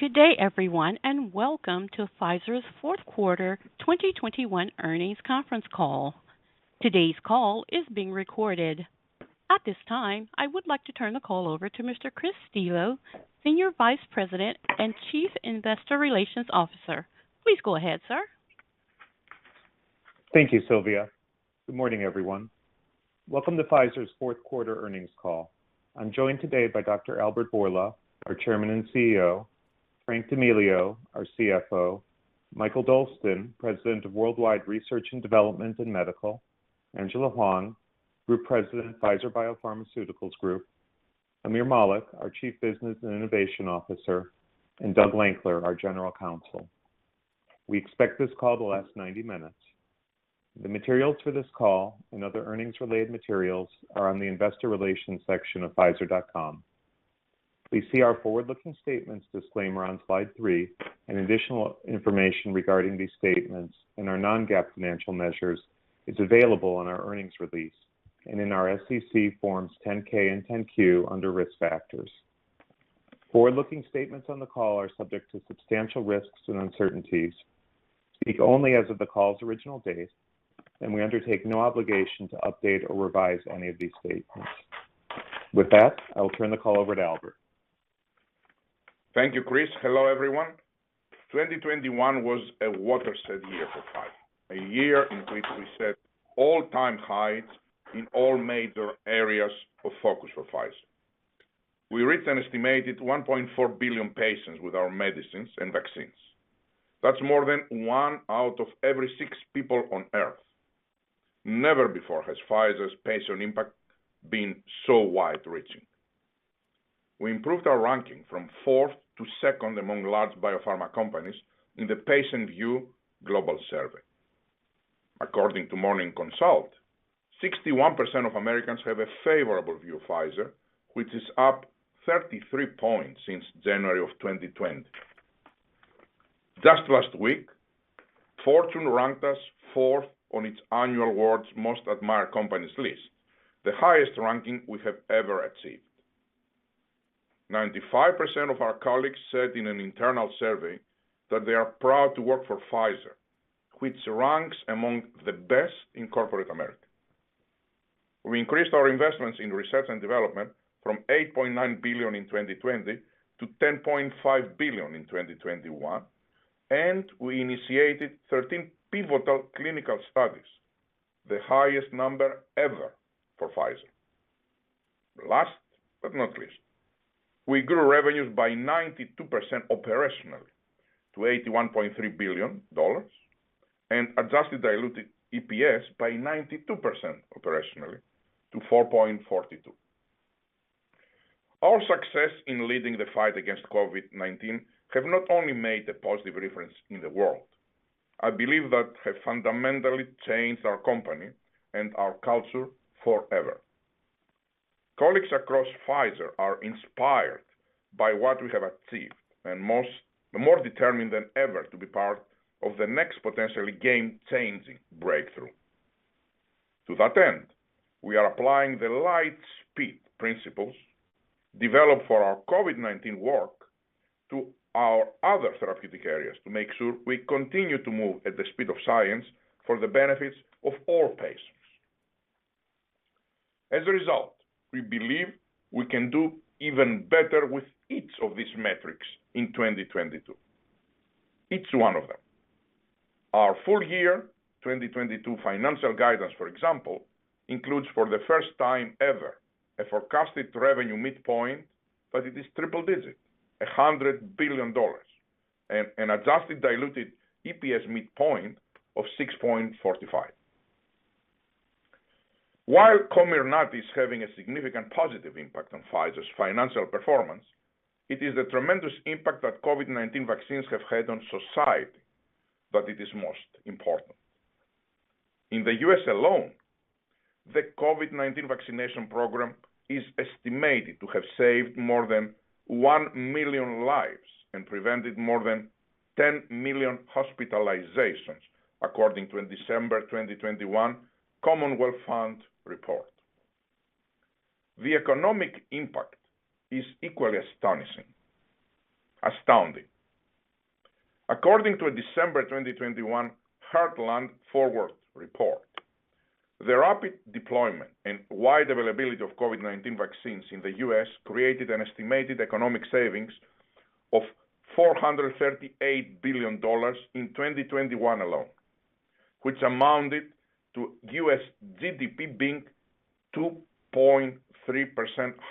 Good day, everyone, and welcome to Pfizer's fourth quarter 2021 earnings conference call. Today's call is being recorded. At this time, I would like to turn the call over to Mr. Chris Stevo, Senior Vice President and Chief Investor Relations Officer. Please go ahead, sir. Thank you, Sylvia. Good morning, everyone. Welcome to Pfizer's fourth quarter earnings call. I'm joined today by Dr. Albert Bourla, our Chairman and CEO, Frank D'Amelio, our CFO, Mikael Dolsten, President of Worldwide Research and Development and Medical, Angela Hwang, Group President, Pfizer Biopharmaceuticals Group, Aamir Malik, our Chief Business and Innovation Officer, and Doug Lankler, our General Counsel. We expect this call to last 90 minutes. The materials for this call and other earnings-related materials are on the investor relations section of pfizer.com. Please see our forward-looking statements disclaimer on slide 3 and additional information regarding these statements and our Non-GAAP financial measures is available on our earnings release and in our SEC forms 10-K and 10-Q under Risk Factors. Forward-looking statements on the call are subject to substantial risks and uncertainties, speak only as of the call's original date, and we undertake no obligation to update or revise any of these statements. With that, I will turn the call over to Albert. Thank you, Chris. Hello, everyone. 2021 was a watershed year for Pfizer, a year in which we set all-time highs in all major areas of focus for Pfizer. We reached an estimated 1.4 billion patients with our medicines and vaccines. That's more than one out of every six people on Earth. Never before has Pfizer's patient impact been so wide-reaching. We improved our ranking from fourth to second among large biopharma companies in the PatientView Global Survey. According to Morning Consult, 61% of Americans have a favorable view of Pfizer, which is up 33 points since January 2020. Just last week, Fortune ranked us fourth on its annual World's Most Admired Companies list, the highest ranking we have ever achieved. 95% of our colleagues said in an internal survey that they are proud to work for Pfizer, which ranks among the best in corporate America. We increased our investments in research and development from $8.9 billion in 2020 to $10.5 billion in 2021, and we initiated 13 pivotal clinical studies, the highest number ever for Pfizer. Last but not least, we grew revenues by 92% operationally to $81.3 billion and adjusted diluted EPS by 92% operationally to 4.42. Our success in leading the fight against COVID-19 have not only made a positive difference in the world, I believe that have fundamentally changed our company and our culture forever. Colleagues across Pfizer are inspired by what we have achieved and more determined than ever to be part of the next potentially game-changing breakthrough. To that end, we are applying the Lightspeed principles developed for our COVID-19 work to our other therapeutic areas to make sure we continue to move at the speed of science for the benefits of all patients. As a result, we believe we can do even better with each of these metrics in 2022. Each one of them. Our full year 2022 financial guidance, for example, includes for the first time ever a forecasted revenue midpoint that it is triple-digit, $100 billion, and an adjusted diluted EPS midpoint of $6.45. While Comirnaty is having a significant positive impact on Pfizer's financial performance, it is the tremendous impact that COVID-19 vaccines have had on society that it is most important. In the U.S. alone, the COVID-19 vaccination program is estimated to have saved more than 1 million lives and prevented more than 10 million hospitalizations according to a December 2021 Commonwealth Fund report. The economic impact is equally astonishing. Astounding. According to a December 2021 Heartland Forward report, the rapid deployment and wide availability of COVID-19 vaccines in the U.S. created an estimated economic savings of $438 billion in 2021 alone, which amounted to U.S. GDP being 2.3%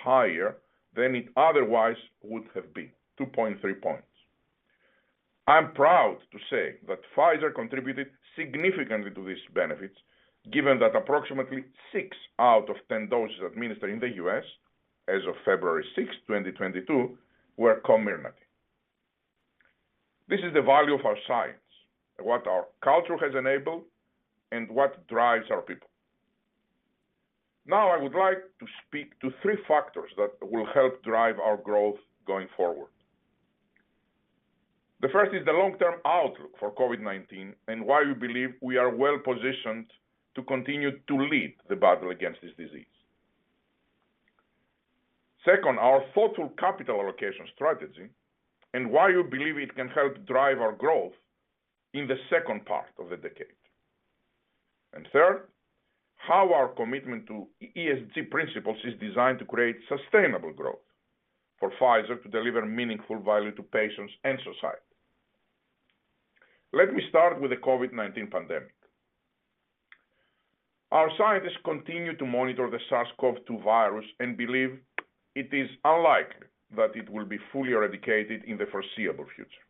higher than it otherwise would have been, 2.3 points. I'm proud to say that Pfizer contributed significantly to these benefits, given that approximately six doses out of 10 doses administered in the U.S. as of February 6th, 2022 were Comirnaty. This is the value of our science, what our culture has enabled, and what drives our people. Now I would like to speak to three factors that will help drive our growth going forward. The first is the long-term outlook for COVID-19 and why we believe we are well-positioned to continue to lead the battle against this disease. Second, our thoughtful capital allocation strategy and why we believe it can help drive our growth in the second part of the decade. Third, how our commitment to ESG principles is designed to create sustainable growth for Pfizer to deliver meaningful value to patients and society. Let me start with the COVID-19 pandemic. Our scientists continue to monitor the SARS-CoV-2 virus and believe it is unlikely that it will be fully eradicated in the foreseeable future.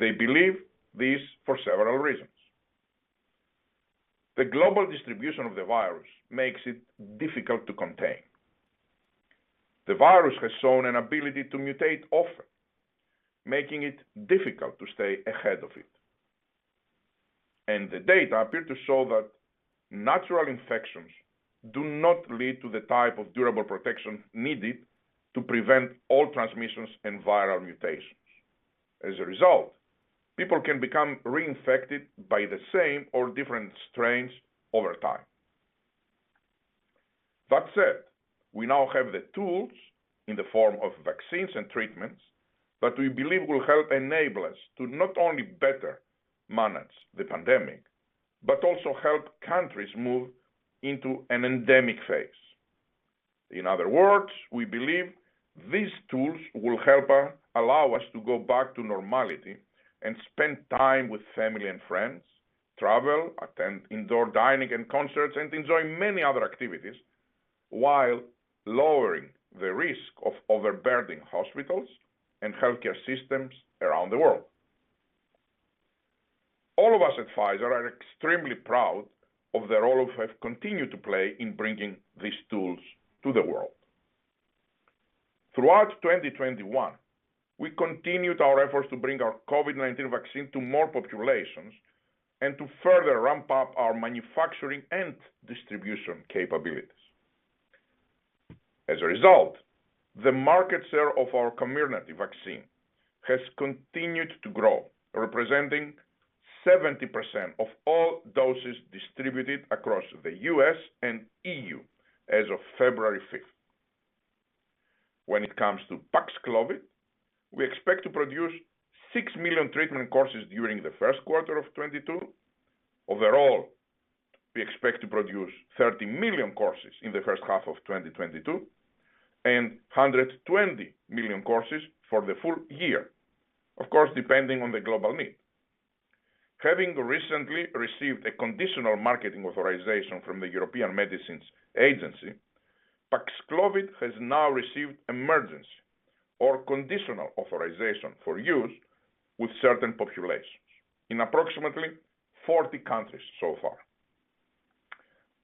They believe this for several reasons. The global distribution of the virus makes it difficult to contain. The virus has shown an ability to mutate often, making it difficult to stay ahead of it. The data appear to show that natural infections do not lead to the type of durable protection needed to prevent all transmissions and viral mutations. As a result, people can become reinfected by the same or different strains over time. That said, we now have the tools in the form of vaccines and treatments that we believe will help enable us to not only better manage the pandemic, but also help countries move into an endemic phase. In other words, we believe these tools will help allow us to go back to normality and spend time with family and friends, travel, attend indoor dining and concerts, and enjoy many other activities while lowering the risk of overburdening hospitals and healthcare systems around the world. All of us at Pfizer are extremely proud of the role we have continued to play in bringing these tools to the world. Throughout 2021, we continued our efforts to bring our COVID-19 vaccine to more populations and to further ramp up our manufacturing and distribution capabilities. As a result, the market share of our Comirnaty vaccine has continued to grow, representing 70% of all doses distributed across the U.S. and EU as of February 5th. When it comes to Paxlovid, we expect to produce 6 million treatment courses during the first quarter of 2022. Overall, we expect to produce 30 million courses in the first half of 2022 and 120 million courses for the full year. Of course, depending on the global need. Having recently received a conditional marketing authorization from the European Medicines Agency, Paxlovid has now received emergency or conditional authorization for use with certain populations in approximately 40 countries so far.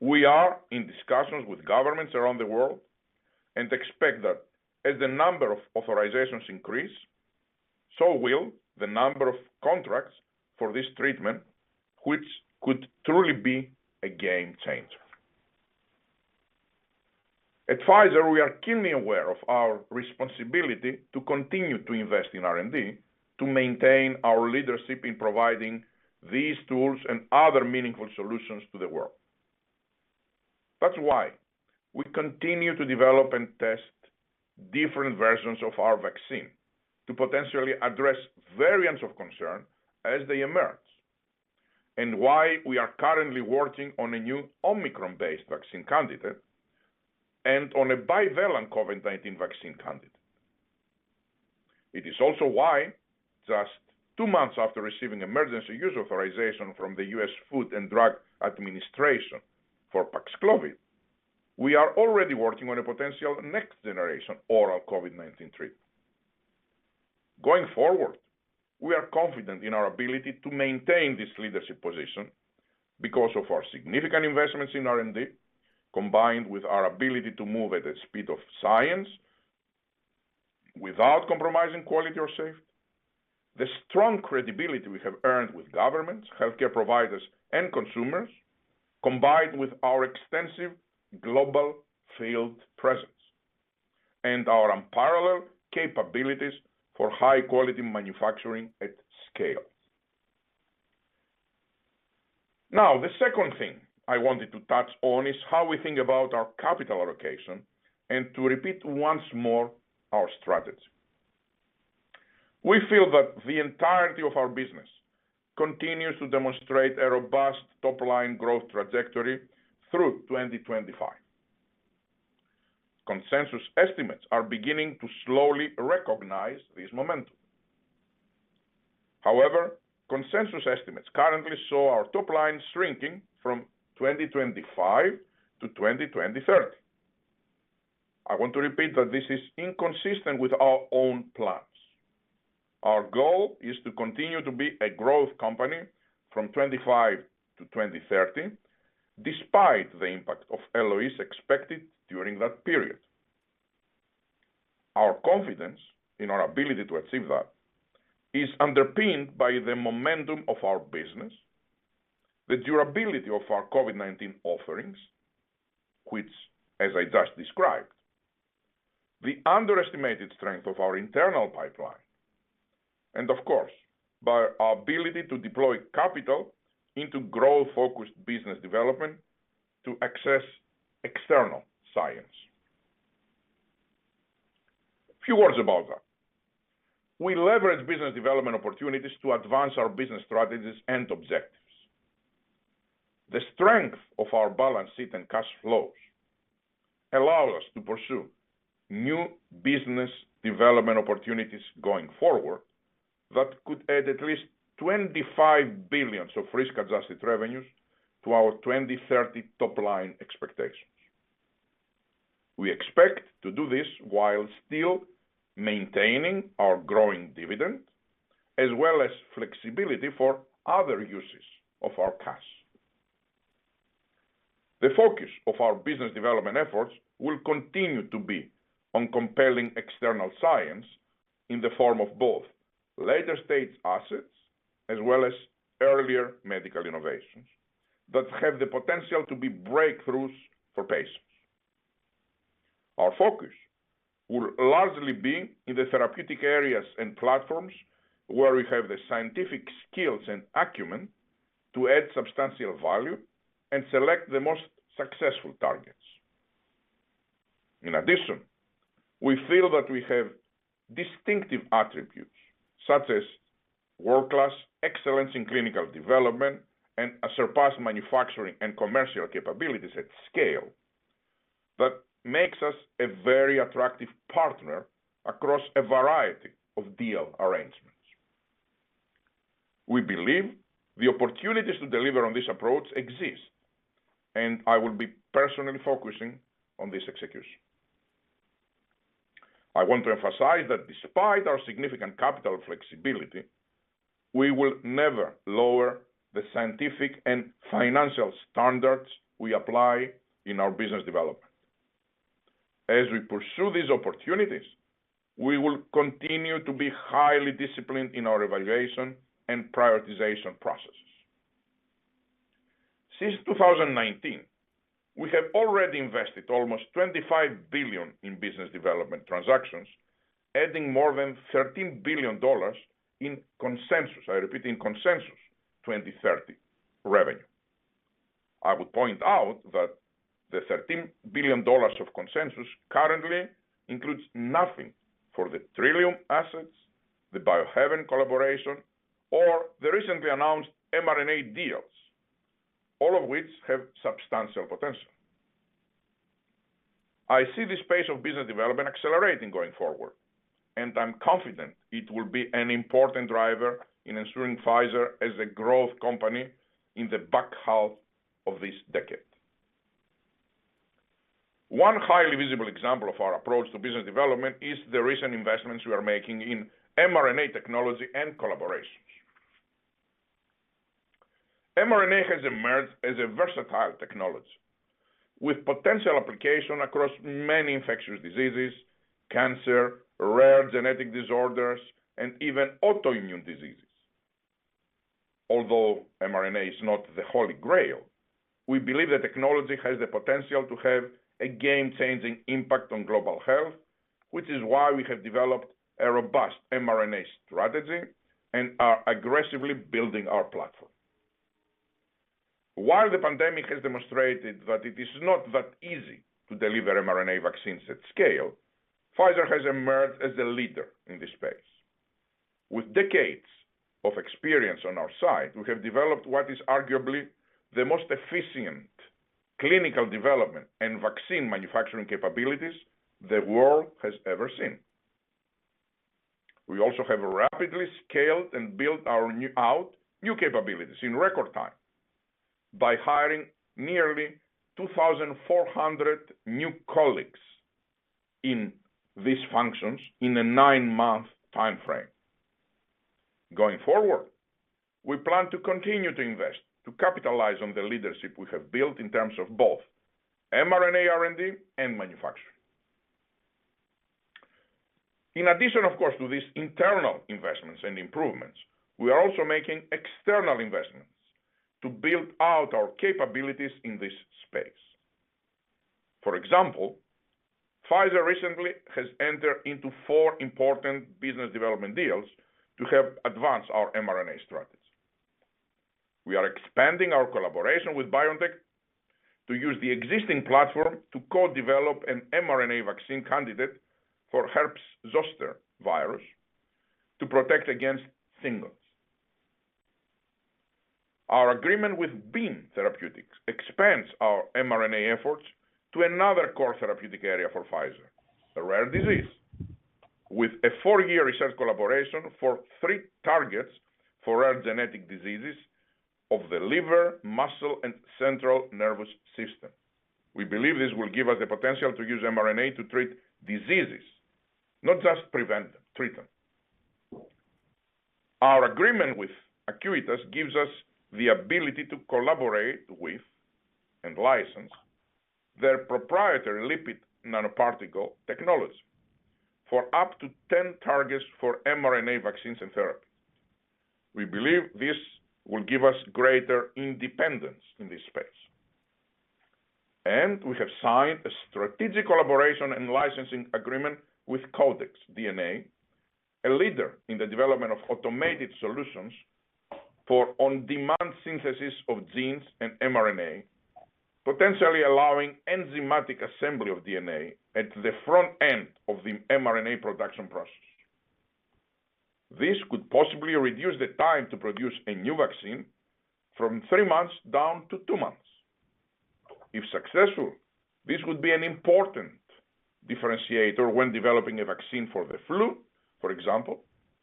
We are in discussions with governments around the world and expect that as the number of authorizations increase, so will the number of contracts for this treatment, which could truly be a game changer. At Pfizer, we are keenly aware of our responsibility to continue to invest in R&D, to maintain our leadership in providing these tools and other meaningful solutions to the world. That's why we continue to develop and test different versions of our vaccine to potentially address variants of concern as they emerge, and why we are currently working on a new Omicron-based vaccine candidate and on a bivalent COVID-19 vaccine candidate. It is also why, just two months after receiving emergency use authorization from the U.S. Food and Drug Administration for Paxlovid, we are already working on a potential next-generation oral COVID-19 treatment. Going forward, we are confident in our ability to maintain this leadership position because of our significant investments in R&D, combined with our ability to move at the speed of science without compromising quality or safety, the strong credibility we have earned with governments, healthcare providers, and consumers, combined with our extensive global field presence and our unparalleled capabilities for high-quality manufacturing at scale. Now, the second thing I wanted to touch on is how we think about our capital allocation and to repeat once more our strategy. We feel that the entirety of our business continues to demonstrate a robust top-line growth trajectory through 2025. Consensus estimates are beginning to slowly recognize this momentum. However, consensus estimates currently show our top line shrinking from 2025-2030. I want to repeat that this is inconsistent with our own plans. Our goal is to continue to be a growth company from 2025-2030, despite the impact of LOIs expected during that period. Our confidence in our ability to achieve that is underpinned by the momentum of our business, the durability of our COVID-19 offerings, which as I just described, the underestimated strength of our internal pipeline, and of course, by our ability to deploy capital into growth-focused business development to access external science. A few words about that. We leverage business development opportunities to advance our business strategies and objectives. The strength of our balance sheet and cash flows allow us to pursue new business development opportunities going forward that could add at least $25 billion of risk-adjusted revenues to our 2030 top line expectations. We expect to do this while still maintaining our growing dividend, as well as flexibility for other uses of our cash. The focus of our business development efforts will continue to be on compelling external science in the form of both later-stage assets as well as earlier medical innovations that have the potential to be breakthroughs for patients. Our focus will largely be in the therapeutic areas and platforms where we have the scientific skills and acumen to add substantial value and select the most successful targets. In addition, we feel that we have distinctive attributes, such as world-class excellence in clinical development and a surpassed manufacturing and commercial capabilities at scale that makes us a very attractive partner across a variety of deal arrangements. We believe the opportunities to deliver on this approach exist, and I will be personally focusing on this execution. I want to emphasize that despite our significant capital flexibility, we will never lower the scientific and financial standards we apply in our business development. As we pursue these opportunities, we will continue to be highly disciplined in our evaluation and prioritization processes. Since 2019, we have already invested almost $25 billion in business development transactions, adding more than $13 billion in consensus. I repeat, in consensus 2030 revenue. I would point out that the $13 billion of consensus currently includes nothing for the Trillium assets, the Biohaven collaboration, or the recently announced mRNA deals, all of which have substantial potential. I see this pace of business development accelerating going forward, and I'm confident it will be an important driver in ensuring Pfizer as a growth company in the back half of this decade. One highly visible example of our approach to business development is the recent investments we are making in mRNA technology and collaborations. mRNA has emerged as a versatile technology with potential application across many infectious diseases, cancer, rare genetic disorders, and even autoimmune diseases. Although mRNA is not the holy grail, we believe the technology has the potential to have a game-changing impact on global health, which is why we have developed a robust mRNA strategy and are aggressively building our platform. While the pandemic has demonstrated that it is not that easy to deliver mRNA vaccines at scale, Pfizer has emerged as a leader in this space. With decades of experience on our side, we have developed what is arguably the most efficient clinical development and vaccine manufacturing capabilities the world has ever seen. We also have rapidly scaled and built our new capabilities in record time by hiring nearly 2,400 new colleagues in these functions in a nine-month time frame. Going forward, we plan to continue to invest to capitalize on the leadership we have built in terms of both mRNA R&D and manufacturing. In addition, of course, to these internal investments and improvements, we are also making external investments to build out our capabilities in this space. For example, Pfizer recently has entered into four important business development deals to help advance our mRNA strategies. We are expanding our collaboration with BioNTech to use the existing platform to co-develop an mRNA vaccine candidate for herpes zoster virus to protect against shingles. Our agreement with Beam Therapeutics expands our mRNA efforts to another core therapeutic area for Pfizer, a rare disease, with a four year research collaboration for three targets for rare genetic diseases of the liver, muscle, and central nervous system. We believe this will give us the potential to use mRNA to treat diseases, not just prevent them, treat them. Our agreement with Acuitas gives us the ability to collaborate with and license their proprietary lipid nanoparticle technology for up to 10 targets for mRNA vaccines and therapy. We believe this will give us greater independence in this space. We have signed a strategic collaboration and licensing agreement with Codex DNA, a leader in the development of automated solutions for on-demand synthesis of genes and mRNA, potentially allowing enzymatic assembly of DNA at the front end of the mRNA production process. This could possibly reduce the time to produce a new vaccine from three months down to two months. If successful, this would be an important differentiator when developing a vaccine for the flu, for example,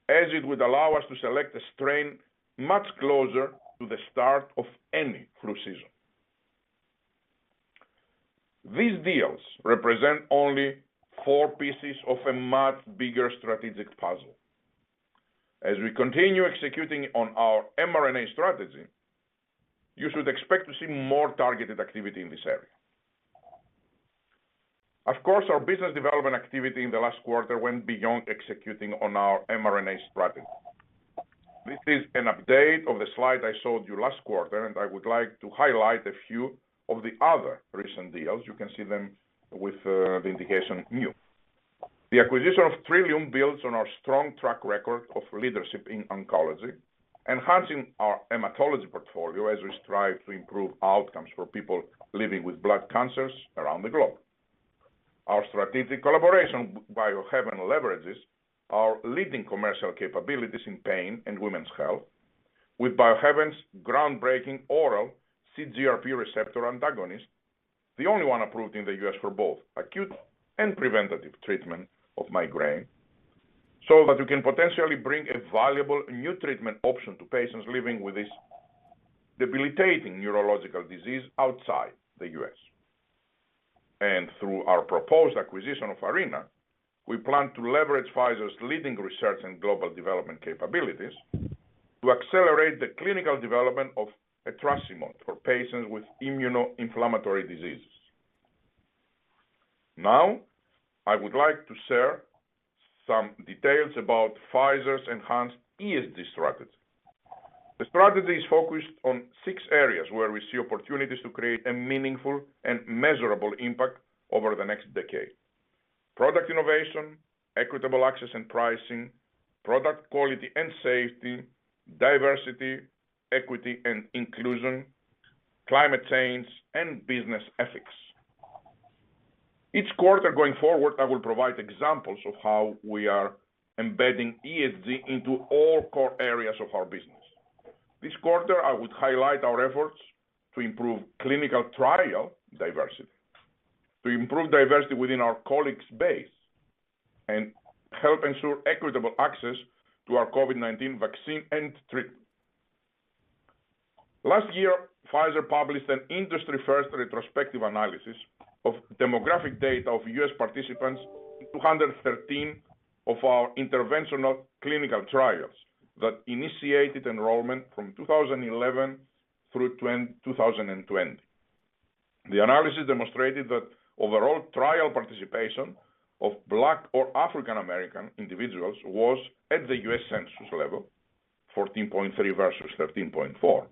as it would allow us to select a strain much closer to the start of any flu season. These deals represent only four pieces of a much bigger strategic puzzle. As we continue executing on our mRNA strategy, you should expect to see more targeted activity in this area. Of course, our business development activity in the last quarter went beyond executing on our mRNA strategy. This is an update of the slide I showed you last quarter, and I would like to highlight a few of the other recent deals. You can see them with the new indications. The acquisition of Trillium builds on our strong track record of leadership in oncology, enhancing our hematology portfolio as we strive to improve outcomes for people living with blood cancers around the globe. Our strategic collaboration with Biohaven leverages our leading commercial capabilities in pain and women's health with Biohaven's groundbreaking oral CGRP receptor antagonist, the only one approved in the U.S. for both acute and preventative treatment of migraine, so that we can potentially bring a valuable new treatment option to patients living with this debilitating neurological disease outside the U.S. Through our proposed acquisition of Arena, we plan to leverage Pfizer's leading research and global development capabilities to accelerate the clinical development of etrasimod for patients with immuno-inflammatory diseases. Now, I would like to share some details about Pfizer's enhanced ESG strategy. The strategy is focused on six areas where we see opportunities to create a meaningful and measurable impact over the next decade. Product innovation, equitable access and pricing, product quality and safety, diversity, equity and inclusion, climate change, and business ethics. Each quarter going forward, I will provide examples of how we are embedding ESG into all core areas of our business. This quarter, I would highlight our efforts to improve clinical trial diversity, to improve diversity within our colleague base, and help ensure equitable access to our COVID-19 vaccine and treatment. Last year, Pfizer published an industry-first retrospective analysis of demographic data of U.S. participants in 213 of our interventional clinical trials that initiated enrollment from 2011 through 2020. The analysis demonstrated that overall trial participation of Black or African American individuals was at the U.S. Census level, 14.3% versus 13.4%.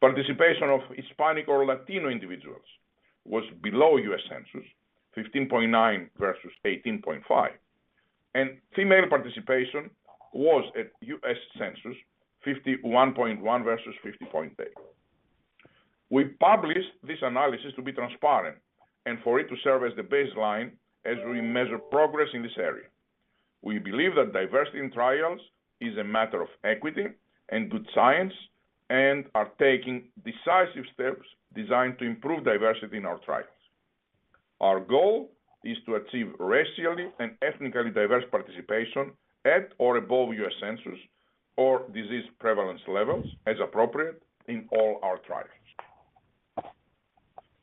Participation of Hispanic or Latino individuals was below U.S. Census, 15.9% versus 18.5%. Female participation was at U.S. Census, 51.1% versus 50.8%. We published this analysis to be transparent and for it to serve as the baseline as we measure progress in this area. We believe that diversity in trials is a matter of equity and good science and are taking decisive steps designed to improve diversity in our trials. Our goal is to achieve racially and ethnically diverse participation at or above U.S. Census or disease prevalence levels as appropriate in all our trials.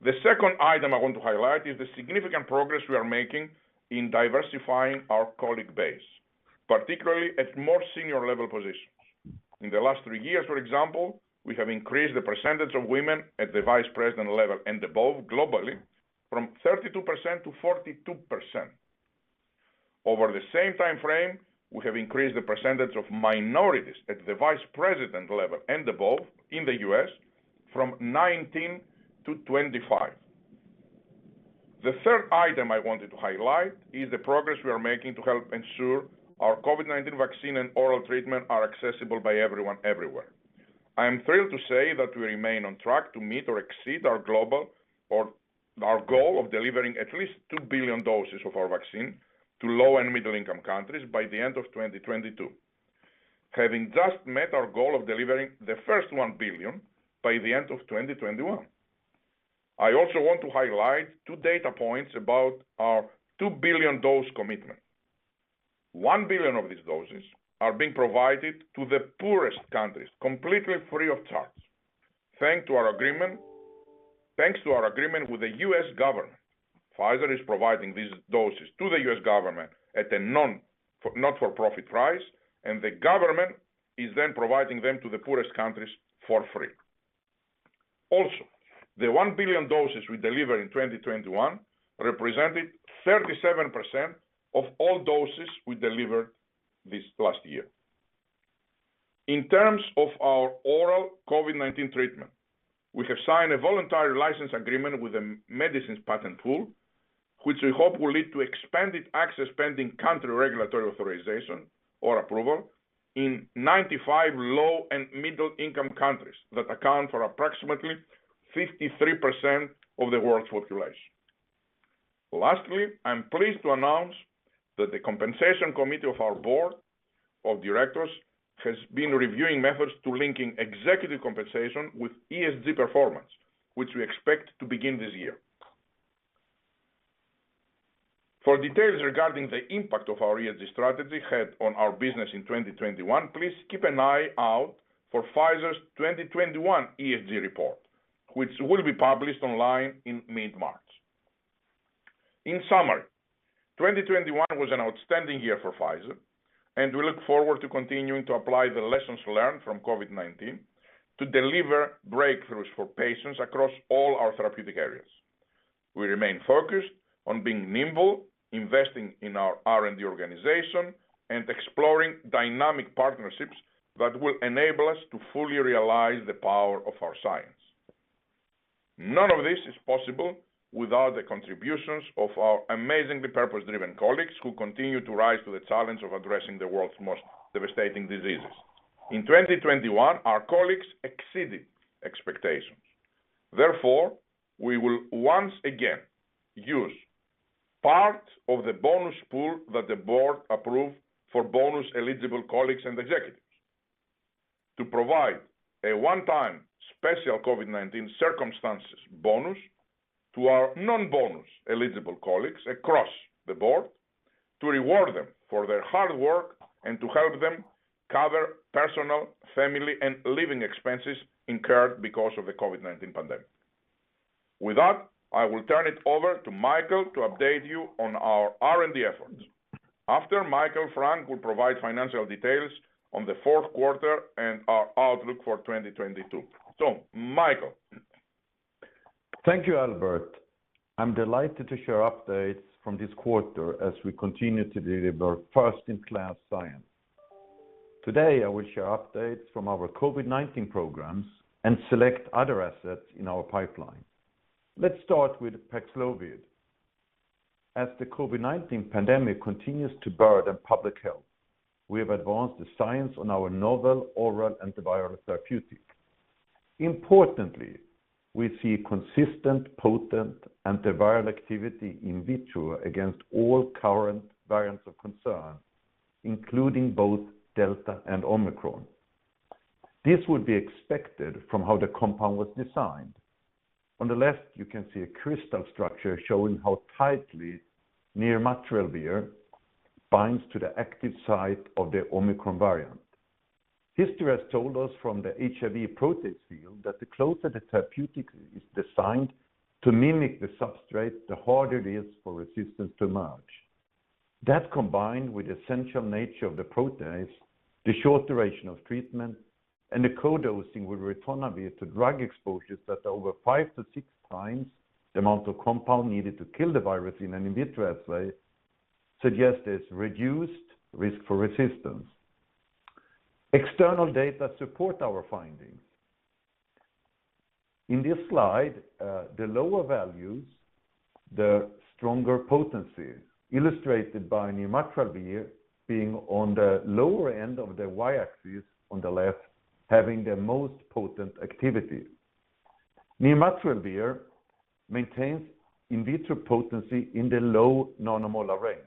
The second item I want to highlight is the significant progress we are making in diversifying our colleague base, particularly at more senior level positions. In the last 3 years, for example, we have increased the percentage of women at the vice president level and above globally from 32%-42%. Over the same time frame, we have increased the percentage of minorities at the vice president level and above in the U.S. from 19%-25%. The third item I wanted to highlight is the progress we are making to help ensure our COVID-19 vaccine and oral treatment are accessible by everyone everywhere. I am thrilled to say that we remain on track to meet or exceed our goal of delivering at least 2 billion doses of our vaccine to low- and middle-income countries by the end of 2022, having just met our goal of delivering the first 1 billion by the end of 2021. I also want to highlight two data points about our 2 billion-dose commitment. 1 billion of these doses are being provided to the poorest countries completely free of charge. Thanks to our agreement with the U.S. government, Pfizer is providing these doses to the U.S. government at a not-for-profit price, and the government is then providing them to the poorest countries for free. Also, the 1 billion doses we delivered in 2021 represented 37% of all doses we delivered this last year. In terms of our oral COVID-19 treatment, we have signed a voluntary license agreement with a Medicines Patent Pool, which we hope will lead to expanded access pending country regulatory authorization or approval in 95 low- and middle-income countries that account for approximately 53% of the world's population. Lastly, I'm pleased to announce that the compensation committee of our board of directors has been reviewing methods to linking executive compensation with ESG performance, which we expect to begin this year. For details regarding the impact of our ESG strategy had on our business in 2021, please keep an eye out for Pfizer's 2021 ESG report, which will be published online in mid-March. In summary, 2021 was an outstanding year for Pfizer and we look forward to continuing to apply the lessons learned from COVID-19 to deliver breakthroughs for patients across all our therapeutic areas. We remain focused on being nimble, investing in our R&D organization, and exploring dynamic partnerships that will enable us to fully realize the power of our science. None of this is possible without the contributions of our amazingly purpose-driven colleagues who continue to rise to the challenge of addressing the world's most devastating diseases. In 2021, our colleagues exceeded expectations. Therefore, we will once again use part of the bonus pool that the board approved for bonus eligible colleagues and executives to provide a one-time special COVID-19 circumstances bonus to our non-bonus eligible colleagues across the board to reward them for their hard work and to help them cover personal, family, and living expenses incurred because of the COVID-19 pandemic. With that, I will turn it over to Mikael to update you on our R&D efforts. After Mikael, Frank will provide financial details on the fourth quarter and our outlook for 2022. Mikael. Thank you, Albert. I'm delighted to share updates from this quarter as we continue to deliver first in class science. Today, I will share updates from our COVID-19 programs and select other assets in our pipeline. Let's start with Paxlovid. As the COVID-19 pandemic continues to burden public health, we have advanced the science on our novel oral antiviral therapeutic. Importantly, we see consistent potent antiviral activity in vitro against all current variants of concern, including both Delta and Omicron. This would be expected from how the compound was designed. On the left, you can see a crystal structure showing how tightly nirmatrelvir binds to the active site of the Omicron variant. History has told us from the HIV protease field that the closer the therapeutic is designed to mimic the substrate, the harder it is for resistance to emerge. That combined with the essential nature of the protease, the short duration of treatment, and the co-dosing with ritonavir to drug exposures that are over 5 to 6 times the amount of compound needed to kill the virus in an in vitro assay, suggests this reduced risk for resistance. External data support our findings. In this slide, the lower values, the stronger potency illustrated by nirmatrelvir being on the lower end of the y-axis on the left, having the most potent activity. Nirmatrelvir maintains in vitro potency in the low nanomolar range.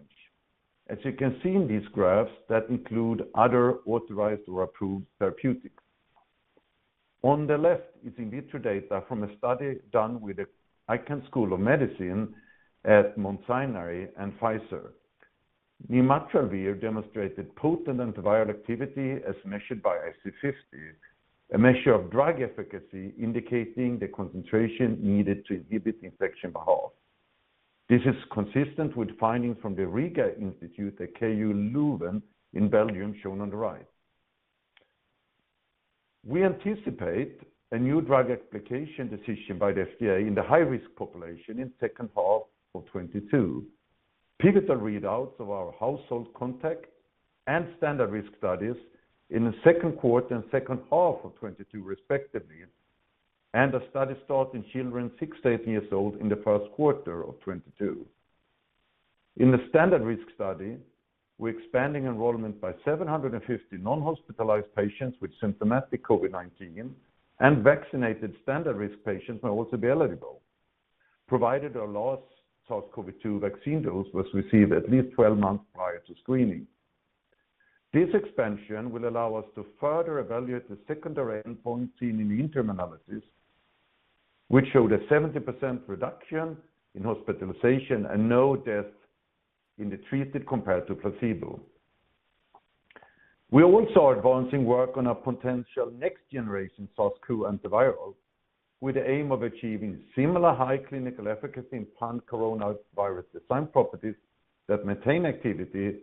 As you can see in these graphs that include other authorized or approved therapeutics. On the left is in vitro data from a study done with the Icahn School of Medicine at Mount Sinai and Pfizer. nirmatrelvir demonstrated potent antiviral activity as measured by IC50, a measure of drug efficacy indicating the concentration needed to inhibit infection by half. This is consistent with findings from the Rega Institute at KU Leuven in Belgium, shown on the right. We anticipate a new drug application decision by the FDA in the high-risk population in second half of 2022. Pivotal readouts of our household contact and standard risk studies in the second quarter and second half of 2022 respectively, and a study start in children six to 18 years old in the first quarter of 2022. In the standard risk study, we're expanding enrollment by 750 non-hospitalized patients with symptomatic COVID-19 and vaccinated standard risk patients may also be eligible, provided their last SARS-CoV-2 vaccine dose was received at least 12 months prior to screening. This expansion will allow us to further evaluate the secondary endpoint seen in the interim analysis, which showed a 70% reduction in hospitalization and no death in the treated compared to placebo. We also are advancing work on a potential next generation SARS-CoV antiviral with the aim of achieving similar high clinical efficacy in pan-coronavirus design properties that maintain activity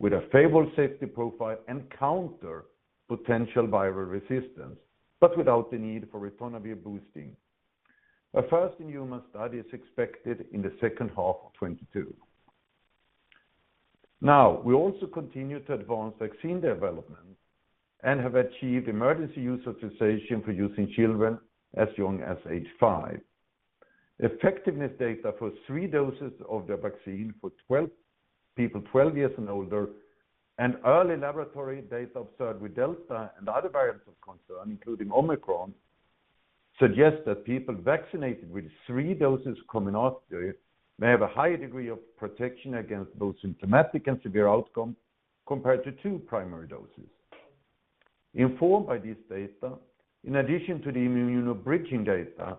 with a favorable safety profile and counter potential viral resistance, but without the need for ritonavir boosting. A first-in-human study is expected in the second half of 2022. Now, we also continue to advance vaccine development and have achieved emergency use authorization for use in children as young as age five. Effectiveness data for three doses of the vaccine for people 12 years and older, and early laboratory data observed with Delta and other variants of concern, including Omicron, suggest that people vaccinated with three doses of Comirnaty may have a higher degree of protection against both symptomatic and severe outcome compared to two primary doses. Informed by this data, in addition to the immunobridging data,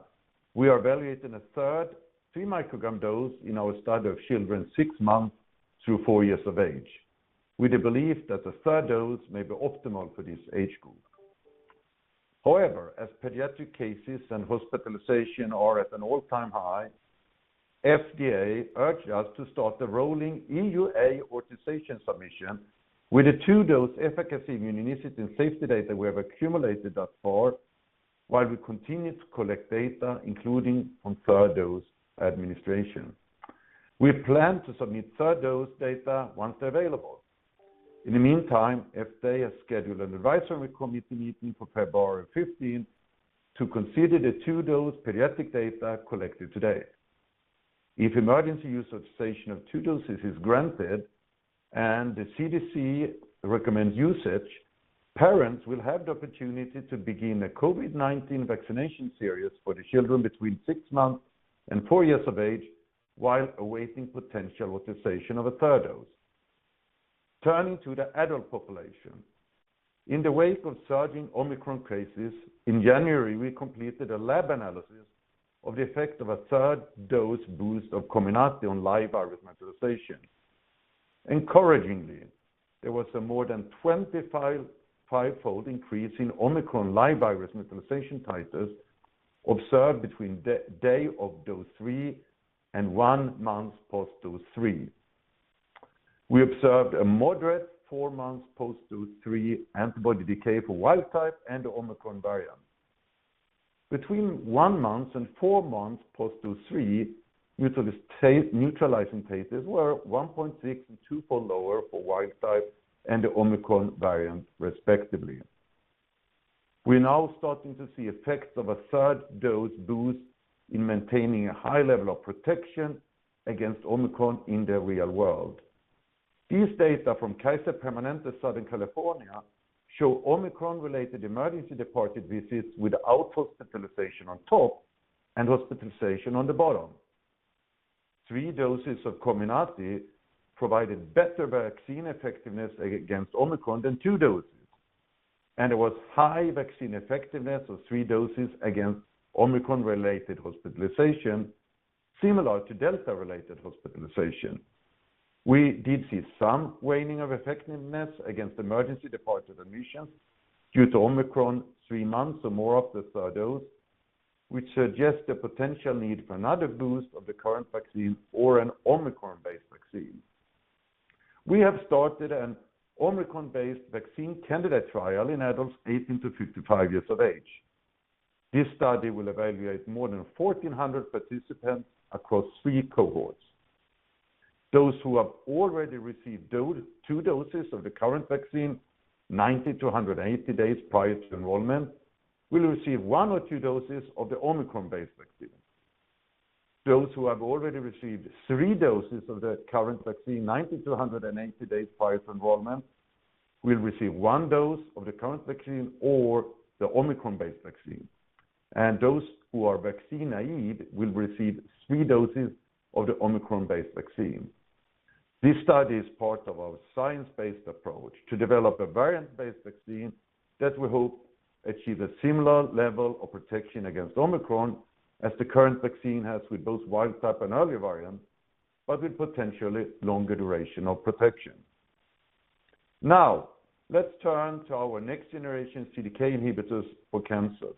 we are evaluating a third 3-microgram dose in our study of children 6 months through four years of age, with the belief that the third dose may be optimal for this age group. However, as pediatric cases and hospitalization are at an all-time high, FDA urged us to start the rolling EUA authorization submission with the 2-dose efficacy, immunogenicity, and safety data we have accumulated thus far while we continue to collect data, including on third dose administration. We plan to submit third dose data once available. In the meantime, FDA has scheduled an advisory committee meeting for February 15th to consider the two-dose pediatric data collected to date. If emergency use authorization of two doses is granted and the CDC recommends usage, parents will have the opportunity to begin a COVID-19 vaccination series for the children between 6 months and 4 years of age while awaiting potential authorization of a third dose. Turning to the adult population. In the wake of surging Omicron cases, in January, we completed a lab analysis of the effect of a third dose boost of Comirnaty on live virus neutralization. Encouragingly, there was a more than 25-fold increase in Omicron live virus neutralization titers observed between day of dose three and 1 month post dose three. We observed a moderate four months post dose three antibody decay for wild type and the Omicron variant. Between one month and four months post dose three, neutralizing titers were 1.6 and twofold lower for wild type and the Omicron variant respectively. We're now starting to see effects of a third dose boost in maintaining a high level of protection against Omicron in the real world. These data from Kaiser Permanente Southern California show Omicron-related emergency department visits with outpatient hospitalization on top and hospitalization on the bottom. three doses of Comirnaty provided better vaccine effectiveness against Omicron than two doses, and there was high vaccine effectiveness of three doses against Omicron-related hospitalization, similar to Delta-related hospitalization. We did see some waning of effectiveness against emergency department admissions due to Omicron three months or more after the third dose, which suggests the potential need for another boost of the current vaccine or an Omicron-based vaccine. We have started an Omicron-based vaccine candidate trial in adults 18 years-55 years of age. This study will evaluate more than 1,400 participants across three cohorts. Those who have already received two doses of the current vaccine 90 days-180 days prior to enrollment will receive one dose or two doses of the Omicron-based vaccine. Those who have already received three doses of the current vaccine 90 days-180 days prior to enrollment will receive 1 dose of the current vaccine or the Omicron-based vaccine. Those who are vaccine naive will receive three doses of the Omicron-based vaccine. This study is part of our science-based approach to develop a variant-based vaccine that will help achieve a similar level of protection against Omicron as the current vaccine has with both wild type and earlier variants, but with potentially longer duration of protection. Now, let's turn to our next-generation CDK inhibitors for cancer.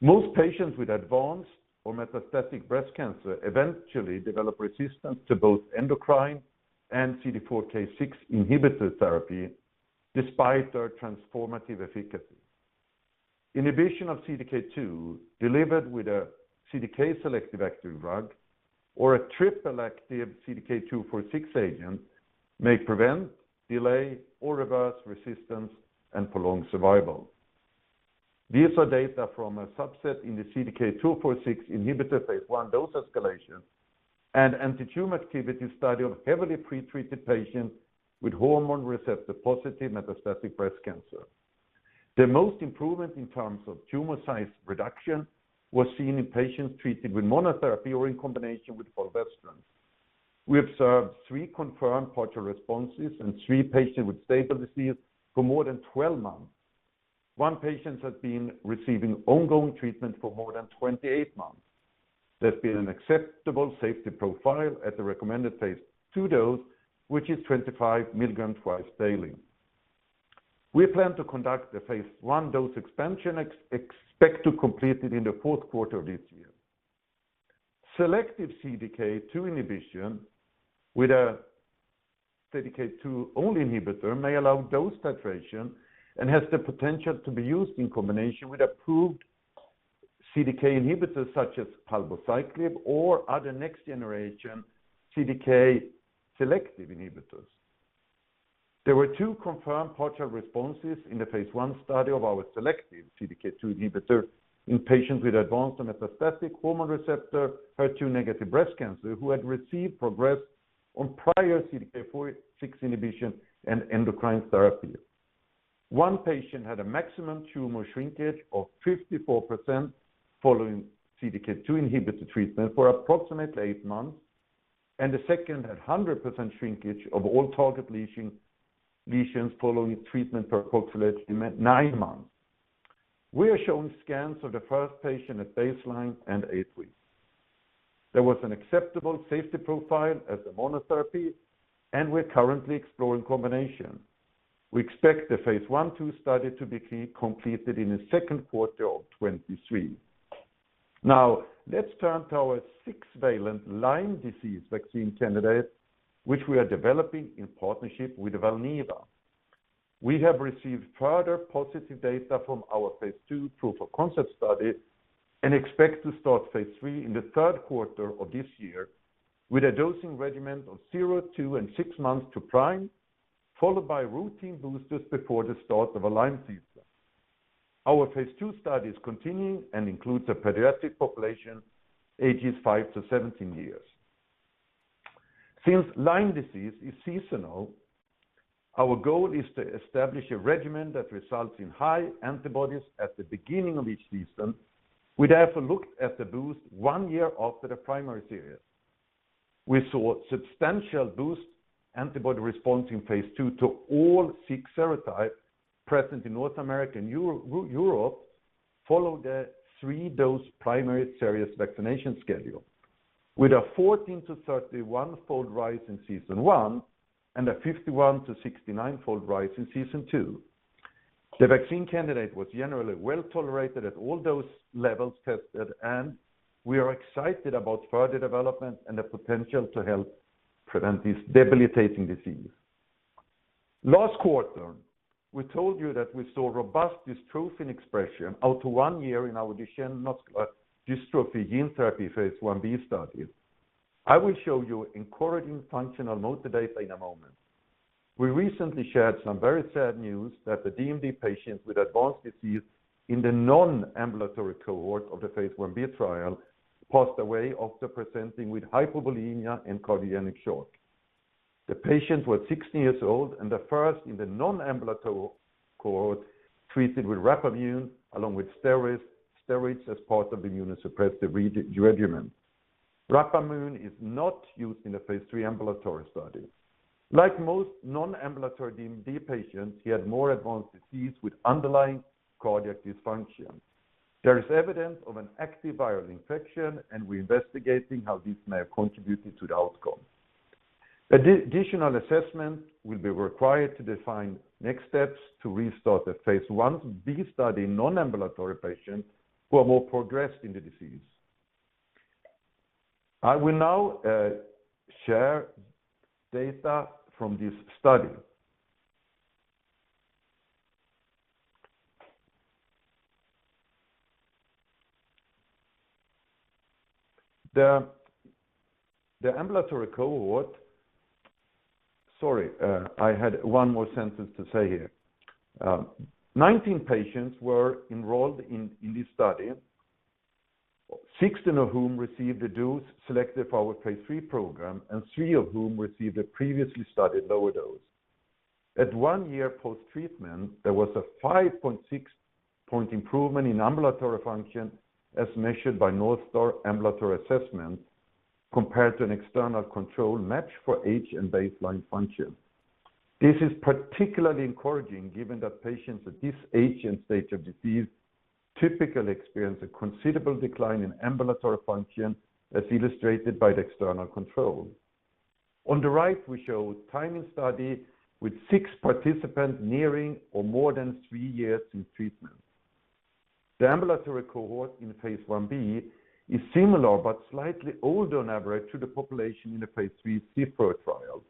Most patients with advanced or metastatic breast cancer eventually develop resistance to both endocrine and CDK4/6 inhibitor therapy despite their transformative efficacy. Inhibition of CDK2 delivered with a CDK selective active drug or a triple-active CDK2/4/6 agent may prevent, delay, or reverse resistance and prolong survival. These are data from a subset in the CDK2/4/6 inhibitor phase I dose escalation and antitumor activity study of heavily pretreated patients with hormone receptor-positive metastatic breast cancer. The most improvement in terms of tumor size reduction was seen in patients treated with monotherapy or in combination with fulvestrant. We observed three confirmed partial responses and three patients with stable disease for more than 12 months. One patient has been receiving ongoing treatment for more than 28 months. There's been an acceptable safety profile at the recommended phase II dose, which is 25 mg twice daily. We plan to conduct the phase I dose expansion, expect to complete it in the fourth quarter of this year. Selective CDK2 inhibition with a CDK2 only inhibitor may allow dose titration and has the potential to be used in combination with approved CDK inhibitors such as palbociclib or other next generation CDK selective inhibitors. There were two confirmed partial responses in the phase I study of our selective CDK2 inhibitor in patients with advanced and metastatic hormone receptor, HER2-negative breast cancer, who had progressed on prior CDK4/6 inhibition and endocrine therapy. One patient had a maximum tumor shrinkage of 54% following CDK2 inhibitor treatment for approximately 8 months, and the second had 100% shrinkage of all target lesions following treatment for approximately nine months. We are showing scans of the first patient at baseline and eight weeks. There was an acceptable safety profile as a monotherapy, and we're currently exploring combination. We expect the phase I/II study to be completed in the second quarter of 2023. Now, let's turn to our six-valent Lyme disease vaccine candidate, which we are developing in partnership with Valneva. We have received further positive data from our phase II proof-of-concept study and expect to start phase III in the third quarter of this year with a dosing regimen of zero, two months, and six months to prime, followed by routine boosters before the start of a Lyme season. Our phase II study is continuing and includes a pediatric population ages 5-years-17-years. Since Lyme disease is seasonal, our goal is to establish a regimen that results in high antibodies at the beginning of each season. We therefore looked at the boost one year after the primary series. We saw substantial boost antibody response in phase II to all six serotypes present in North America and Europe following the three-dose primary series vaccination schedule with a 14- to 31-fold rise in season one and a 51- to 69-fold rise in season two. The vaccine candidate was generally well-tolerated at all dose levels tested, and we are excited about further development and the potential to help prevent this debilitating disease. Last quarter, we told you that we saw robust dystrophin expression out to one year in our Duchenne muscular dystrophy gene therapy phase I-B study. I will show you encouraging functional motor data in a moment. We recently shared some very sad news that the DMD patient with advanced disease in the non-ambulatory cohort of the phase I-B trial passed away after presenting with hypovolemia and cardiac shock. The patient was 16 years old and the first in the non-ambulatory cohort treated with rapamycin along with steroids as part of the immunosuppressive regimen. Rapamycin is not used in the phase III ambulatory study. Like most non-ambulatory DMD patients, he had more advanced disease with underlying cardiac dysfunction. There is evidence of an active viral infection, and we're investigating how this may have contributed to the outcome. Additional assessment will be required to define next steps to restart the phase I-B study non-ambulatory patients who are more progressed in the disease. I will now share data from this study. Ambulatory cohort. Sorry, I had one more sentence to say here. 19 patients were enrolled in this study, 16 of whom received the dose selected for our phase III program, and three of whom received a previously studied lower dose. At one year post-treatment, there was a 5.6-point improvement in ambulatory function as measured by North Star Ambulatory Assessment compared to an external control matched for age and baseline function. This is particularly encouraging given that patients at this age and stage of disease typically experience a considerable decline in ambulatory function as illustrated by the external control. On the right, we show long-term study with six participants nearing or more than three years in treatment. The ambulatory cohort in phase I B is similar but slightly older on average to the population in the phase III CIFFREO trial.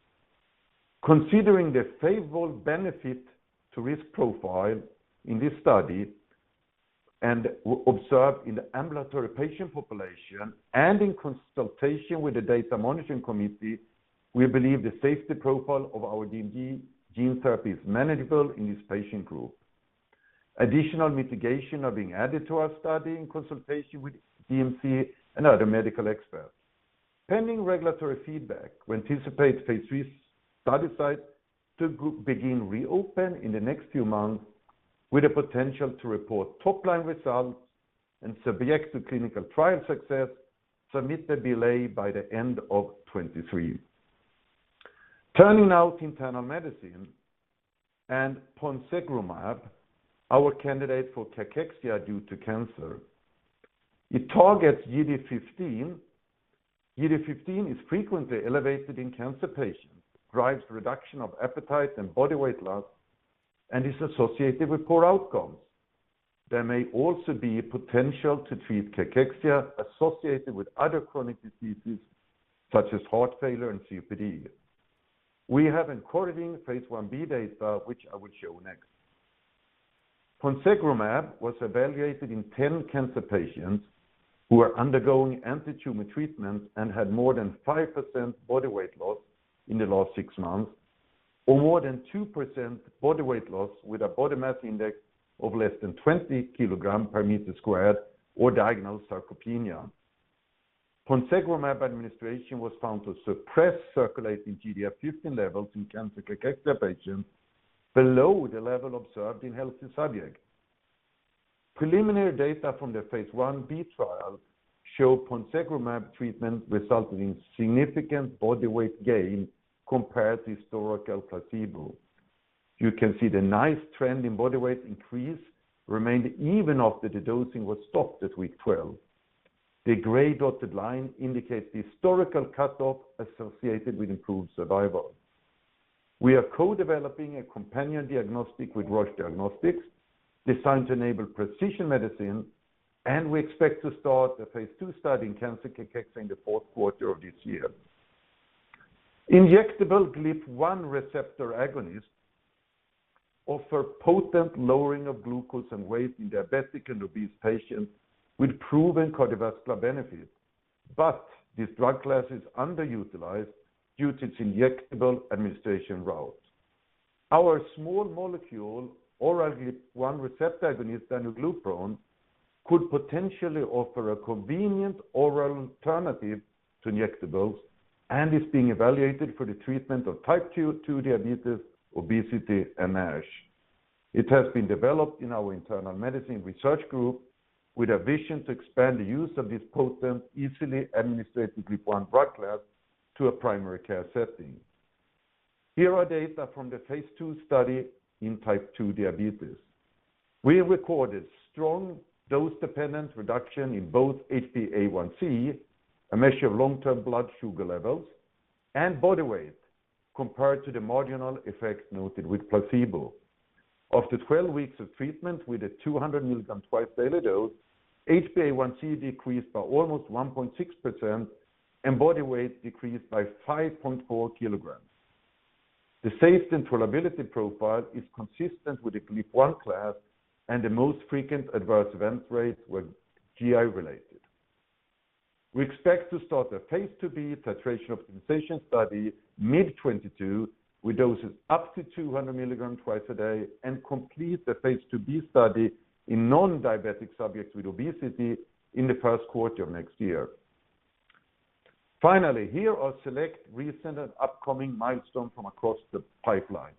Considering the favorable benefit-to-risk profile in this study and observed in the ambulatory patient population and in consultation with the Data Monitoring Committee, we believe the safety profile of our DMD gene therapy is manageable in this patient group. Additional mitigation are being added to our study in consultation with DMC and other medical experts. Pending regulatory feedback, we anticipate phase III study sites to begin to reopen in the next few months with the potential to report top-line results and, subject to clinical trial success, submit the BLA by the end of 2023. Turning now to Internal Medicine and ponsegromab, our candidate for cancer cachexia. It targets GDF-15. GDF-15 is frequently elevated in cancer patients, drives reduction of appetite and body weight loss, and is associated with poor outcomes. There may also be potential to treat cachexia associated with other chronic diseases such as heart failure and COPD. We have encouraging phase IB data which I will show next. Ponsegromab was evaluated in 10 cancer patients who were undergoing antitumor treatment and had more than 5% body weight loss in the last six months, or more than 2% body weight loss with a body mass index of less than 20 kg per meter squared or diagnosed sarcopenia. Ponsegromab administration was found to suppress circulating GDF-15 levels in cancer cachexia patients below the level observed in healthy subjects. Preliminary data from the phase IB trial show ponsegromab treatment resulted in significant body weight gain compared to historical placebo. You can see the nice trend in body weight increase remained even after the dosing was stopped at week 12. The gray dotted line indicates the historical cutoff associated with improved survival. We are co-developing a companion diagnostic with Roche Diagnostics designed to enable precision medicine, and we expect to start a phase II study in cancer cachexia in the fourth quarter of this year. Injectable GLP-1 receptor agonists offer potent lowering of glucose and weight in diabetic and obese patients with proven cardiovascular benefit. This drug class is underutilized due to its injectable administration route. Our small molecule oral GLP-1 receptor agonist, danuglipron, could potentially offer a convenient oral alternative to injectables and is being evaluated for the treatment of type 2 diabetes, obesity, and NASH. It has been developed in our internal medicine research group with a vision to expand the use of this potent, easily administered GLP-1 drug class to a primary care setting. Here are data from the phase II study in type 2 diabetes. We have recorded strong dose-dependent reduction in both HbA1c, a measure of long-term blood sugar levels, and body weight compared to the marginal effect noted with placebo. After 12 weeks of treatment with a 200mg twice daily dose, HbA1c decreased by almost 1.6% and body weight decreased by 5.4 kg. The safety and tolerability profile is consistent with the GLP-1 class, and the most frequent adverse event rates were GI related. We expect to start a phase IIb titration optimization study mid-2022 with doses up to 200 mg twice a day and complete the phase IIb study in non-diabetic subjects with obesity in the first quarter of next year. Finally, here are select recent and upcoming milestones from across the pipeline.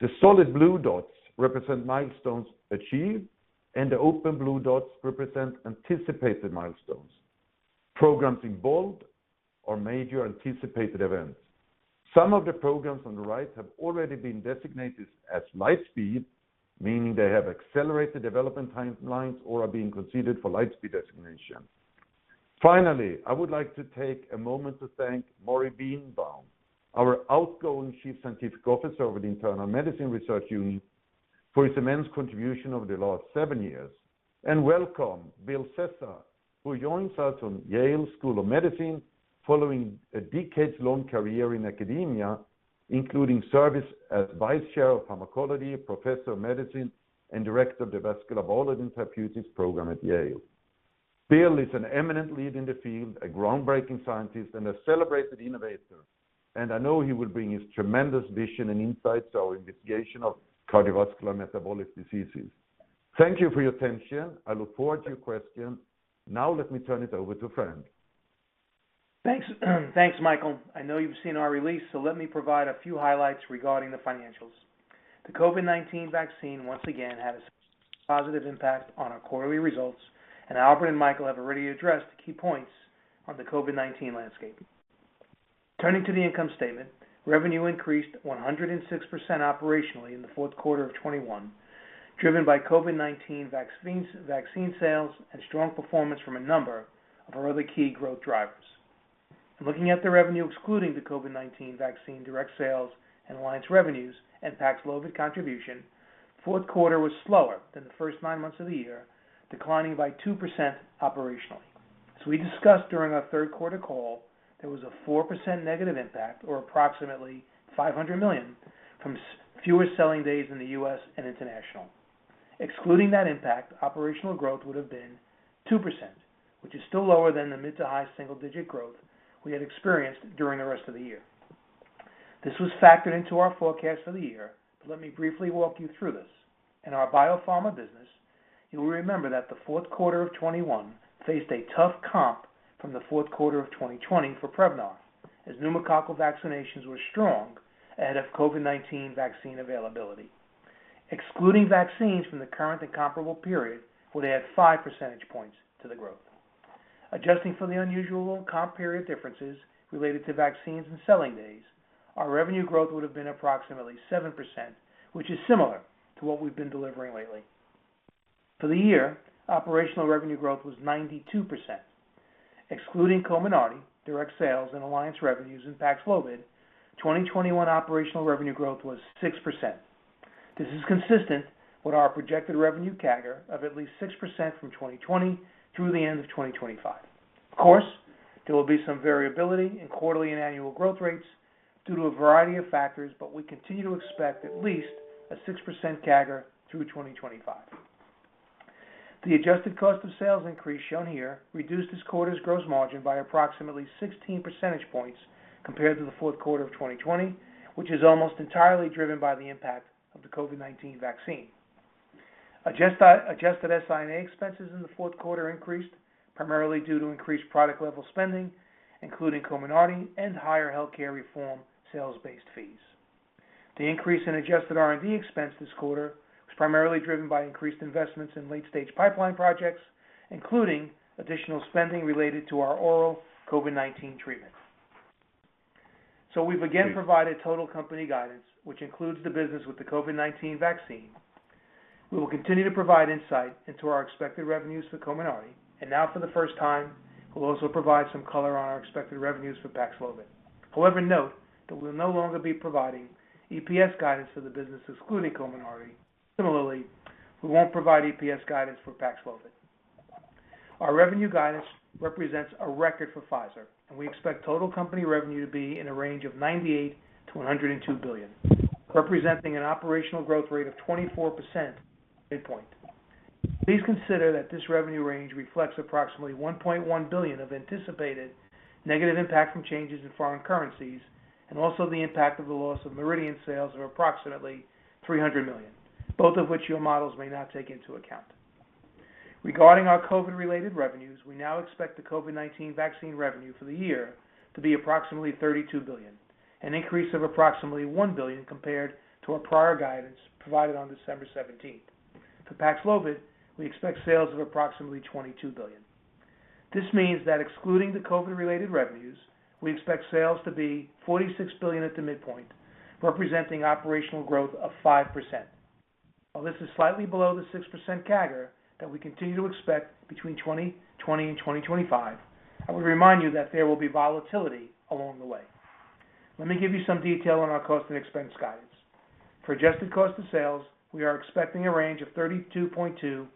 The solid blue dots represent milestones achieved and the open blue dots represent anticipated milestones. Programs in bold are major anticipated events. Some of the programs on the right have already been designated as Lightspeed, meaning they have accelerated development timelines or are being considered for Lightspeed designation. Finally, I would like to take a moment to thank Morris Birnbaum, our outgoing Chief Scientific Officer of the Internal Medicine Research Unit, for his immense contribution over the last seven years, and welcome William C. Sessa, who joins us from Yale School of Medicine following a decades-long career in academia, including service as Vice Chair of Pharmacology, Professor of Medicine, and Director of the Vascular Biology Therapeutics program at Yale. William C. Sessa is an eminent lead in the field, a groundbreaking scientist, and a celebrated innovator. I know he will bring his tremendous vision and insights to our investigation of cardiovascular and metabolic diseases. Thank you for your attention. I look forward to your questions. Now let me turn it over to Frank. Thanks. Thanks, Mikael. I know you've seen our release, so let me provide a few highlights regarding the financials. The COVID-19 vaccine once again had a significant positive impact on our quarterly results, and Albert and Mikael have already addressed the key points on the COVID-19 landscape. Turning to the income statement, revenue increased 106% operationally in the fourth quarter of 2021, driven by COVID-19 vaccines, vaccine sales, and strong performance from a number of our other key growth drivers. Looking at the revenue excluding the COVID-19 vaccine direct sales and alliance revenues and Paxlovid contribution, fourth quarter was slower than the first nine months of the year, declining by 2% operationally. As we discussed during our third quarter call, there was a 4% negative impact or approximately $500 million from fewer selling days in the U.S. and international. Excluding that impact, operational growth would have been 2%, which is still lower than the mid- to high single-digit growth we had experienced during the rest of the year. This was factored into our forecast for the year, but let me briefly walk you through this. In our biopharma business, you will remember that the fourth quarter of 2021 faced a tough comp from the fourth quarter of 2020 for Prevnar, as pneumococcal vaccinations were strong ahead of COVID-19 vaccine availability. Excluding vaccines from the current and comparable period would add five percentage points to the growth. Adjusting for the unusual comp period differences related to vaccines and selling days, our revenue growth would have been approximately 7%, which is similar to what we've been delivering lately. For the year, operational revenue growth was 92%. Excluding Comirnaty, direct sales, and alliance revenues in Paxlovid, 2021 operational revenue growth was 6%. This is consistent with our projected revenue CAGR of at least 6% from 2020 through the end of 2025. Of course, there will be some variability in quarterly and annual growth rates due to a variety of factors, but we continue to expect at least a 6% CAGR through 2025. The adjusted cost of sales increase shown here reduced this quarter's gross margin by approximately 16 percentage points compared to the fourth quarter of 2020, which is almost entirely driven by the impact of the COVID-19 vaccine. Adjusted S&A expenses in the fourth quarter increased primarily due to increased product level spending, including Comirnaty and higher healthcare reform sales-based fees. The increase in adjusted R&D expense this quarter was primarily driven by increased investments in late-stage pipeline projects, including additional spending related to our oral COVID-19 treatment. We've again provided total company guidance, which includes the business with the COVID-19 vaccine. We will continue to provide insight into our expected revenues for Comirnaty, and now for the first time, we'll also provide some color on our expected revenues for Paxlovid. However, note that we'll no longer be providing EPS guidance for the business excluding Comirnaty. Similarly, we won't provide EPS guidance for Paxlovid. Our revenue guidance represents a record for Pfizer, and we expect total company revenue to be in a range of $98 billion-$102 billion, representing an operational growth rate of 24% midpoint. Please consider that this revenue range reflects approximately $1.1 billion of anticipated negative impact from changes in foreign currencies, and also the impact of the loss of Meridian sales of approximately $300 million, both of which your models may not take into account. Regarding our COVID-related revenues, we now expect the COVID-19 vaccine revenue for the year to be approximately $32 billion, an increase of approximately $1 billion compared to our prior guidance provided on December 17th. For Paxlovid, we expect sales of approximately $22 billion. This means that excluding the COVID-related revenues, we expect sales to be $46 billion at the midpoint, representing operational growth of 5%. While this is slightly below the 6% CAGR that we continue to expect between 2020 and 2025, I would remind you that there will be volatility along the way. Let me give you some detail on our cost and expense guidance. For adjusted cost of sales, we are expecting a range of 32.2%-34.2%.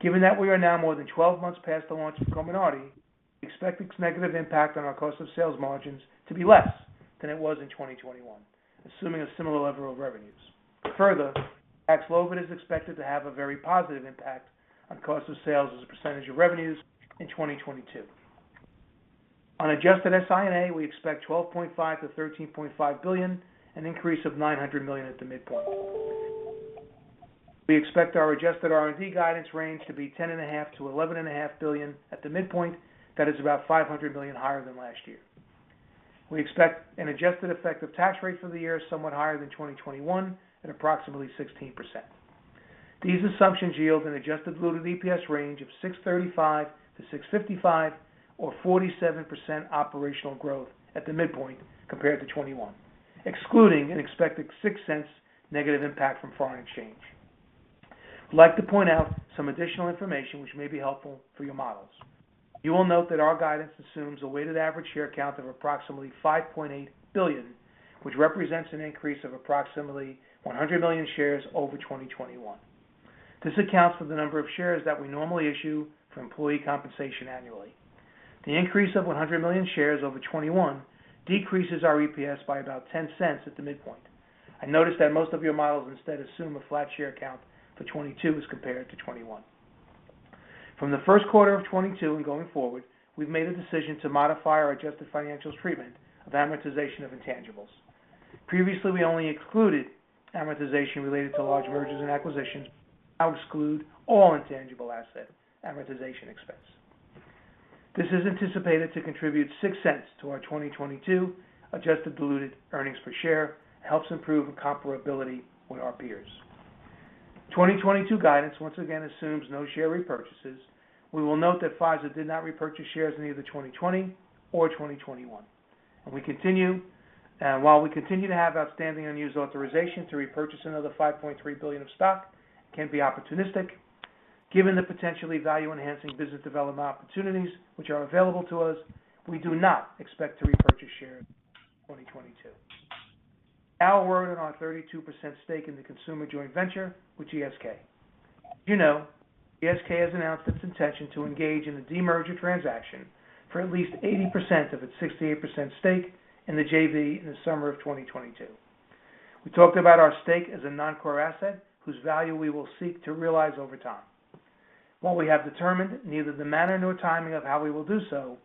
Given that we are now more than 12 months past the launch of Comirnaty, we expect its negative impact on our cost of sales margins to be less than it was in 2021, assuming a similar level of revenues. Further, Paxlovid is expected to have a very positive impact on cost of sales as a percentage of revenues in 2022. On adjusted SI&A, we expect $12.5 billion-$13.5 billion, an increase of $900 million at the midpoint. We expect our adjusted R&D guidance range to be $10.5 billion-$11.5 billion at the midpoint, that is about $500 million higher than last year. We expect an adjusted effective tax rate for the year somewhat higher than 2021 at approximately 16%. These assumptions yield an adjusted diluted EPS range of $6.35-$6.55 or 47% operational growth at the midpoint compared to 2021, excluding an expected $0.06 negative impact from foreign exchange. I'd like to point out some additional information which may be helpful for your models. You will note that our guidance assumes a weighted average share count of approximately 5.8 billion, which represents an increase of approximately 100 million shares over 2021. This accounts for the number of shares that we normally issue for employee compensation annually. The increase of 100 million shares over 2021 decreases our EPS by about $0.10 at the midpoint. I noticed that most of your models instead assume a flat share count for 2022 as compared to 2021. From the first quarter of 2022 and going forward, we've made a decision to modify our adjusted financials treatment of amortization of intangibles. Previously, we only included amortization related to large mergers and acquisitions. Now we exclude all intangible asset amortization expense. This is anticipated to contribute $0.06 to our 2022 adjusted diluted earnings per share and helps improve comparability with our peers. 2022 guidance once again assumes no share repurchases. We will note that Pfizer did not repurchase shares in either 2020 or 2021. While we continue to have outstanding unused authorization to repurchase another $5.3 billion of stock, we can be opportunistic. Given the potentially value-enhancing business development opportunities which are available to us, we do not expect to repurchase shares in 2022. Now a word on our 32% stake in the consumer joint venture with GSK. You know, GSK has announced its intention to engage in a demerger transaction for at least 80% of its 68% stake in the JV in the summer of 2022. We talked about our stake as a non-core asset whose value we will seek to realize over time. While we have determined neither the manner nor timing of how we will do so,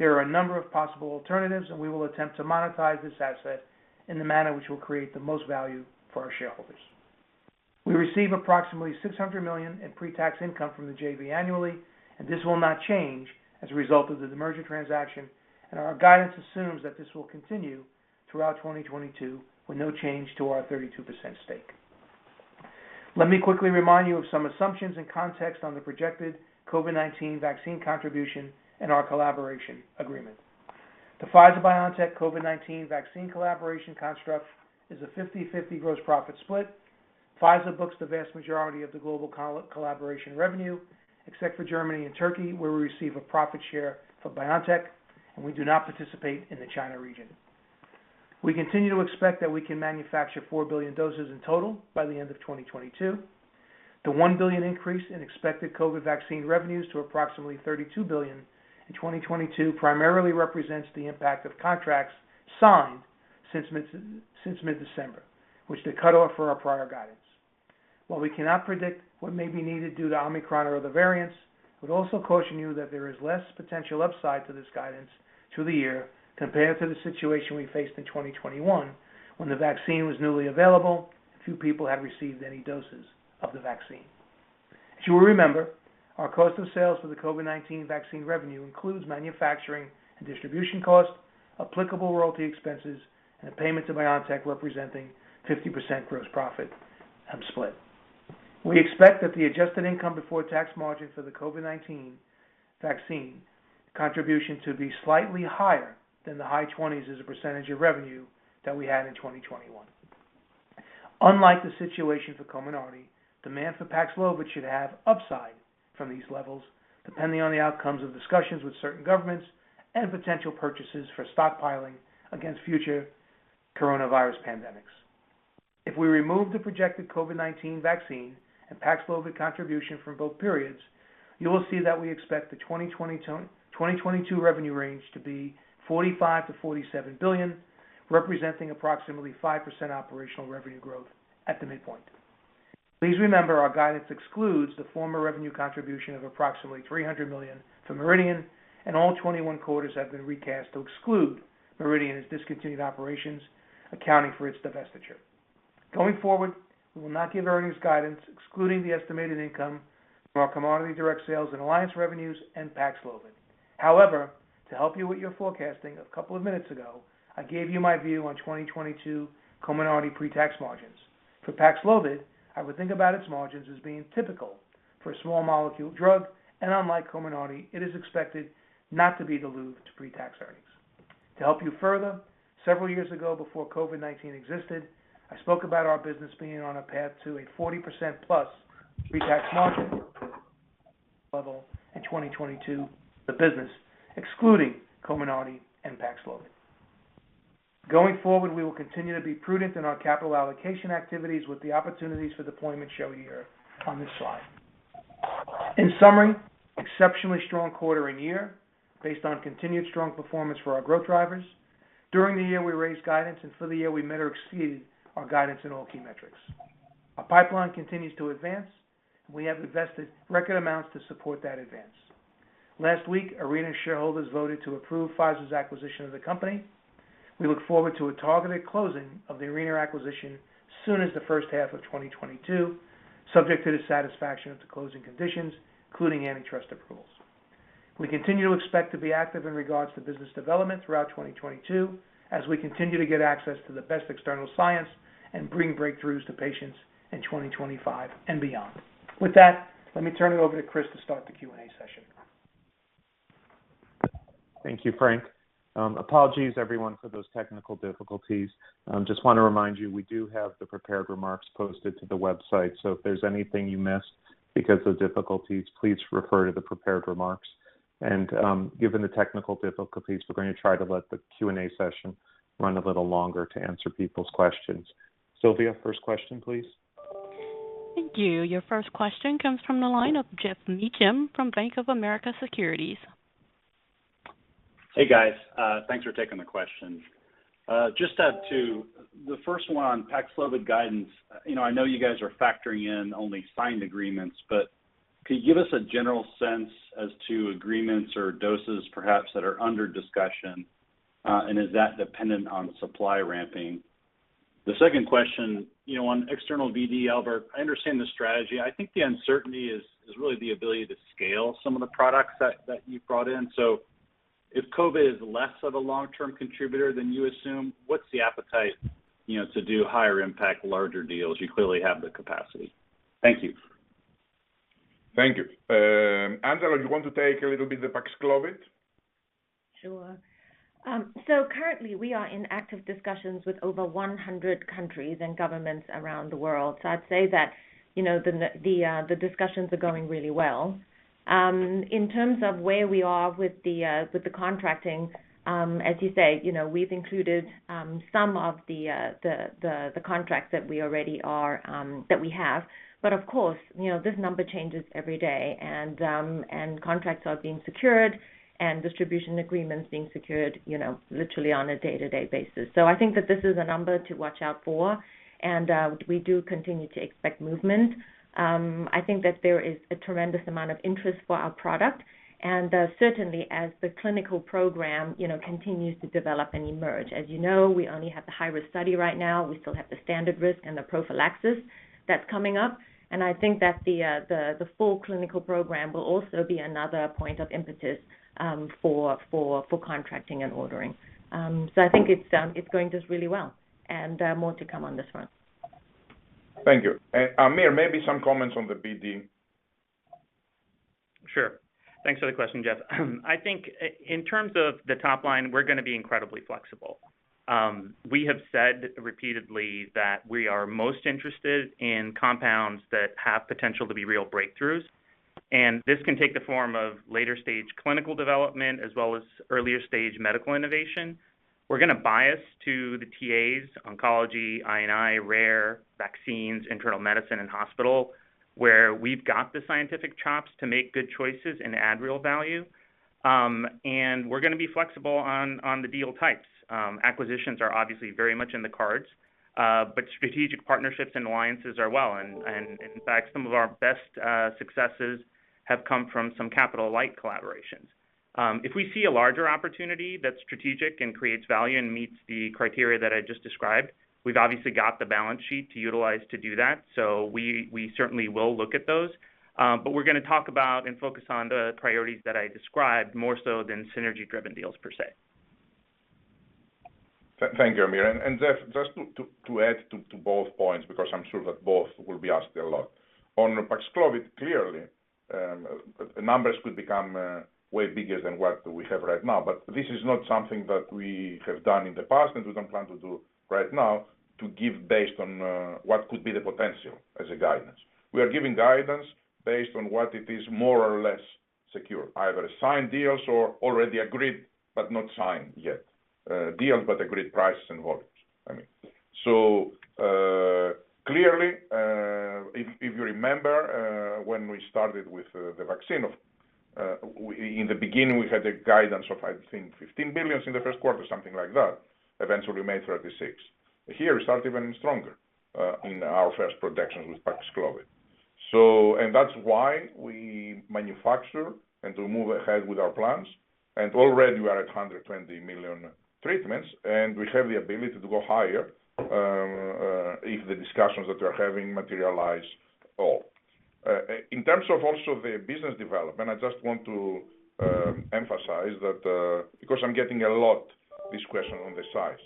there are a number of possible alternatives, and we will attempt to monetize this asset in the manner which will create the most value for our shareholders. We receive approximately $600 million in pre-tax income from the JV annually, and this will not change as a result of the demerger transaction, and our guidance assumes that this will continue throughout 2022 with no change to our 32% stake. Let me quickly remind you of some assumptions and context on the projected COVID-19 vaccine contribution and our collaboration agreement. The Pfizer-BioNTech COVID-19 vaccine collaboration construct is a 50/50 gross profit split. Pfizer books the vast majority of the global collaboration revenue, except for Germany and Turkey, where we receive a profit share for BioNTech, and we do not participate in the China region. We continue to expect that we can manufacture 4 billion doses in total by the end of 2022. The $1 billion increase in expected COVID vaccine revenues to approximately $32 billion in 2022 primarily represents the impact of contracts signed since mid-December, which is the cutoff for our prior guidance. While we cannot predict what may be needed due to Omicron or other variants, I would also caution you that there is less potential upside to this guidance to the year compared to the situation we faced in 2021 when the vaccine was newly available and few people had received any doses of the vaccine. As you will remember, our cost of sales for the COVID-19 vaccine revenue includes manufacturing and distribution costs, applicable royalty expenses, and a payment to BioNTech representing 50% gross profit and split. We expect that the adjusted income before tax margin for the COVID-19 vaccine contribution to be slightly higher than the high 20s% of revenue that we had in 2021. Unlike the situation for Comirnaty, demand for Paxlovid should have upside from these levels, depending on the outcomes of discussions with certain governments and potential purchases for stockpiling against future coronavirus pandemics. If we remove the projected COVID-19 vaccine and Paxlovid contribution from both periods, you will see that we expect the 2022 revenue range to be $45 billion-$47 billion, representing approximately 5% operational revenue growth at the midpoint. Please remember our guidance excludes the former revenue contribution of approximately $300 million for Meridian, and all 2021 quarters have been recast to exclude Meridian as discontinued operations accounting for its divestiture. Going forward, we will not give earnings guidance excluding the estimated income from our COVID direct sales and alliance revenues and Paxlovid. However, to help you with your forecasting, a couple of minutes ago, I gave you my view on 2022 Comirnaty pretax margins. For Paxlovid, I would think about its margins as being typical for a small molecule drug, and unlike Comirnaty, it is expected not to be dilute to pretax earnings. To help you further, several years ago, before COVID-19 existed, I spoke about our business being on a path to a 40%+ pretax margin level in 2022, the business excluding Comirnaty and Paxlovid. Going forward, we will continue to be prudent in our capital allocation activities with the opportunities for deployment shown here on this slide. In summary, exceptionally strong quarter and year based on continued strong performance for our growth drivers. During the year, we raised guidance, and for the year, we met or exceeded our guidance in all key metrics. Our pipeline continues to advance, and we have invested record amounts to support that advance. Last week, Arena shareholders voted to approve Pfizer's acquisition of the company. We look forward to a targeted closing of the Arena acquisition as soon as the first half of 2022, subject to the satisfaction of the closing conditions, including antitrust approvals. We continue to expect to be active in regards to business development throughout 2022 as we continue to get access to the best external science and bring breakthroughs to patients in 2025 and beyond. With that, let me turn it over to Chris to start the Q&A session. Thank you, Frank. Apologies, everyone, for those technical difficulties. Just want to remind you, we do have the prepared remarks posted to the website, so if there's anything you missed because of difficulties, please refer to the prepared remarks. Given the technical difficulties, we're going to try to let the Q&A session run a little longer to answer people's questions. Sylvia, first question, please. Thank you. Your first question comes from the line of Geoff Meacham from Bank of America Securities. Hey, guys. Thanks for taking the questions. Just have two. The first one on Paxlovid guidance. You know, I know you guys are factoring in only signed agreements, but could you give us a general sense as to agreements or doses perhaps that are under discussion, and is that dependent on supply ramping? The second question, you know, on external BD, Albert. I understand the strategy. I think the uncertainty is really the ability to scale some of the products that you brought in. So if COVID is less of a long-term contributor than you assume, what's the appetite, you know, to do higher impact, larger deals? You clearly have the capacity. Thank you. Thank you. Angela, you want to take a little bit the Paxlovid? Sure. Currently we are in active discussions with over 100 countries and governments around the world. I'd say that, you know, the discussions are going really well. In terms of where we are with the contracting, as you say, you know, we've included some of the contracts that we have. Of course, you know, this number changes every day and contracts are being secured and distribution agreements being secured, you know, literally on a day-to-day basis. I think that this is a number to watch out for, and we do continue to expect movement. I think that there is a tremendous amount of interest for our product, and certainly as the clinical program, you know, continues to develop and emerge. As you know, we only have the high-risk study right now. We still have the standard risk and the prophylaxis that's coming up. I think that the full clinical program will also be another point of emphasis for contracting and ordering. I think it's going just really well and more to come on this front. Thank you. Aamir, maybe some comments on the BD. Sure. Thanks for the question, Geoff. I think in terms of the top line, we're gonna be incredibly flexible. We have said repeatedly that we are most interested in compounds that have potential to be real breakthroughs, and this can take the form of later stage clinical development as well as earlier stage medical innovation. We're gonna bias to the TAs, oncology, I&I, rare vaccines, internal medicine and hospital, where we've got the scientific chops to make good choices and add real value. We're gonna be flexible on the deal types. Acquisitions are obviously very much in the cards, but strategic partnerships and alliances as well, and in fact, some of our best successes have come from some capital light collaborations. If we see a larger opportunity that's strategic and creates value and meets the criteria that I just described, we've obviously got the balance sheet to utilize to do that. We certainly will look at those. We're gonna talk about and focus on the priorities that I described more so than synergy-driven deals per se. Thank you, Aamir. Geoff, just to add to both points, because I'm sure that both will be asked a lot. On Paxlovid, clearly, numbers could become way bigger than what we have right now. This is not something that we have done in the past, and we don't plan to do right now to give based on what could be the potential as a guidance. We are giving guidance based on what it is more or less secure, either signed deals or already agreed but not signed yet, deals but agreed prices and volumes, I mean. Clearly, if you remember, when we started with the vaccine in the beginning, we had a guidance of, I think, $15 billion in the first quarter, something like that. Eventually we made $36 billion. Here, we start even stronger on our first projections with Paxlovid. That's why we manufacture it to move ahead with our plans. We are at 120 million treatments, and we have the ability to go higher if the discussions that we're having materialize at all. In terms of also the business development, I just want to emphasize that because I'm getting a lot of this question on the size.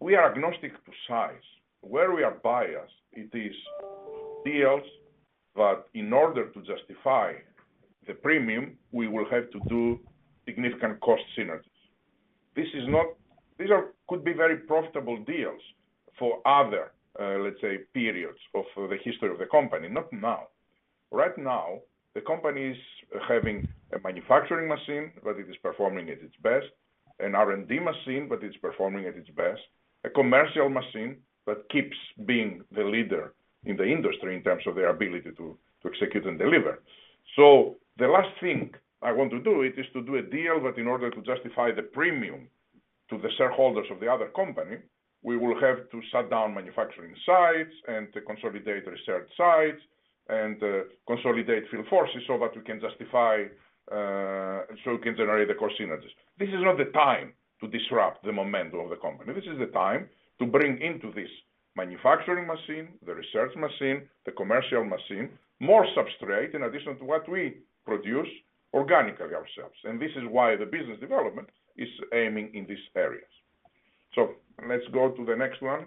We are agnostic to size. We are biased to deals, but in order to justify the premium, we will have to do significant cost synergies. These could be very profitable deals for other, let's say, periods in the history of the company, not now. Right now, the company is having a manufacturing machine, but it is performing at its best, an R&D machine, but it's performing at its best, a commercial machine that keeps being the leader in the industry in terms of their ability to execute and deliver. The last thing I want to do is to do a deal, but in order to justify the premium to the shareholders of the other company, we will have to shut down manufacturing sites and to consolidate research sites and consolidate field forces so we can generate the cost synergies. This is not the time to disrupt the momentum of the company. This is the time to bring into this manufacturing machine, the research machine, the commercial machine, more substrate in addition to what we produce organically ourselves. This is why the business development is aiming in these areas. Let's go to the next one.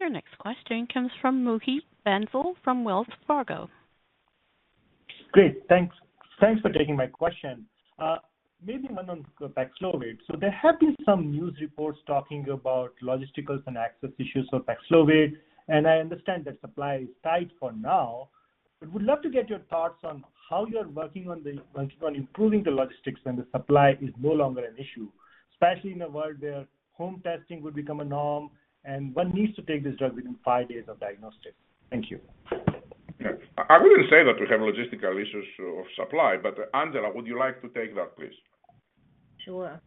Your next question comes from Mohit Bansal from Wells Fargo. Great. Thanks. Thanks for taking my question. Maybe one on Paxlovid. There have been some news reports talking about logisticals and access issues for Paxlovid, and I understand that supply is tight for now, but would love to get your thoughts on how you're working on improving the logistics when the supply is no longer an issue, especially in a world where home testing will become a norm and one needs to take this drug within five days of diagnosis. Thank you. Yeah. I wouldn't say that we have logistical issues of supply, but Angela, would you like to take that, please? Sure.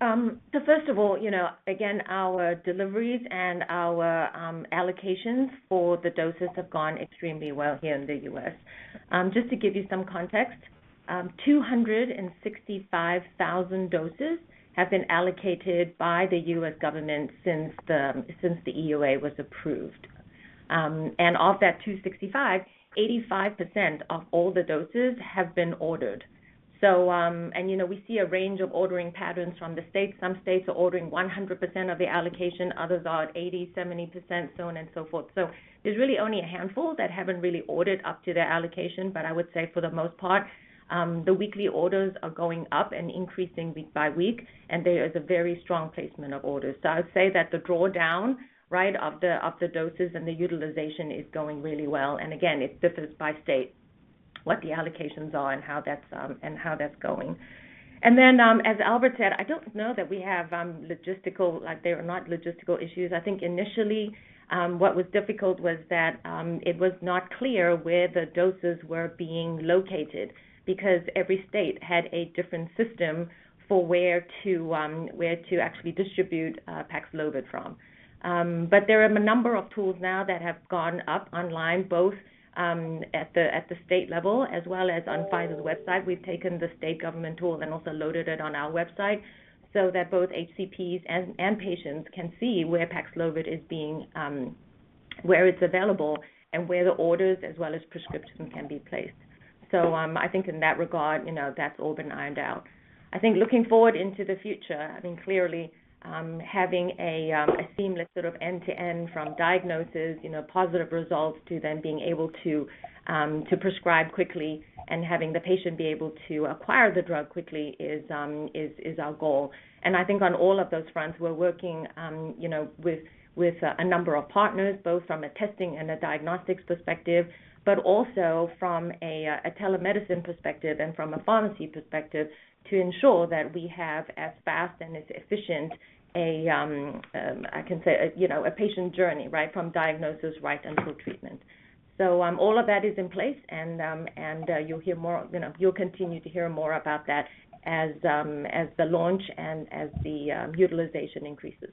So first of all, you know, again, our deliveries and our allocations for the doses have gone extremely well here in the U.S. Just to give you some context, 265,000 doses have been allocated by the U.S. government since the EUA was approved. And of that 265,000, 85% of all the doses have been ordered. So, and, you know, we see a range of ordering patterns from the states. Some states are ordering 100% of the allocation, others are at 80%, 70%, so on and so forth. So there's really only a handful that haven't really ordered up to their allocation. But I would say for the most part, the weekly orders are going up and increasing week by week, and there is a very strong placement of orders. I would say that the drawdown, right, of the doses and the utilization is going really well. Again, it differs by state, what the allocations are and how that's going. As Albert said, I don't know that we have logistical issues. I think initially, what was difficult was that it was not clear where the doses were being located because every state had a different system for where to actually distribute Paxlovid from. But there are a number of tools now that have gone up online, both at the state level as well as on Pfizer's website. We've taken the state government tools and also loaded it on our website so that both HCPs and patients can see where it's available and where the orders as well as prescriptions can be placed. I think in that regard, you know, that's all been ironed out. I think looking forward into the future, I mean, clearly, having a seamless sort of end-to-end from diagnosis, you know, positive results to then being able to prescribe quickly and having the patient be able to acquire the drug quickly is our goal. I think on all of those fronts, we're working, you know, with a number of partners, both from a testing and a diagnostics perspective, but also from a telemedicine perspective and from a pharmacy perspective to ensure that we have as fast and as efficient a patient journey, I can say, you know, right? From diagnosis right until treatment. All of that is in place and you'll hear more. You know, you'll continue to hear more about that as the launch and utilization increases.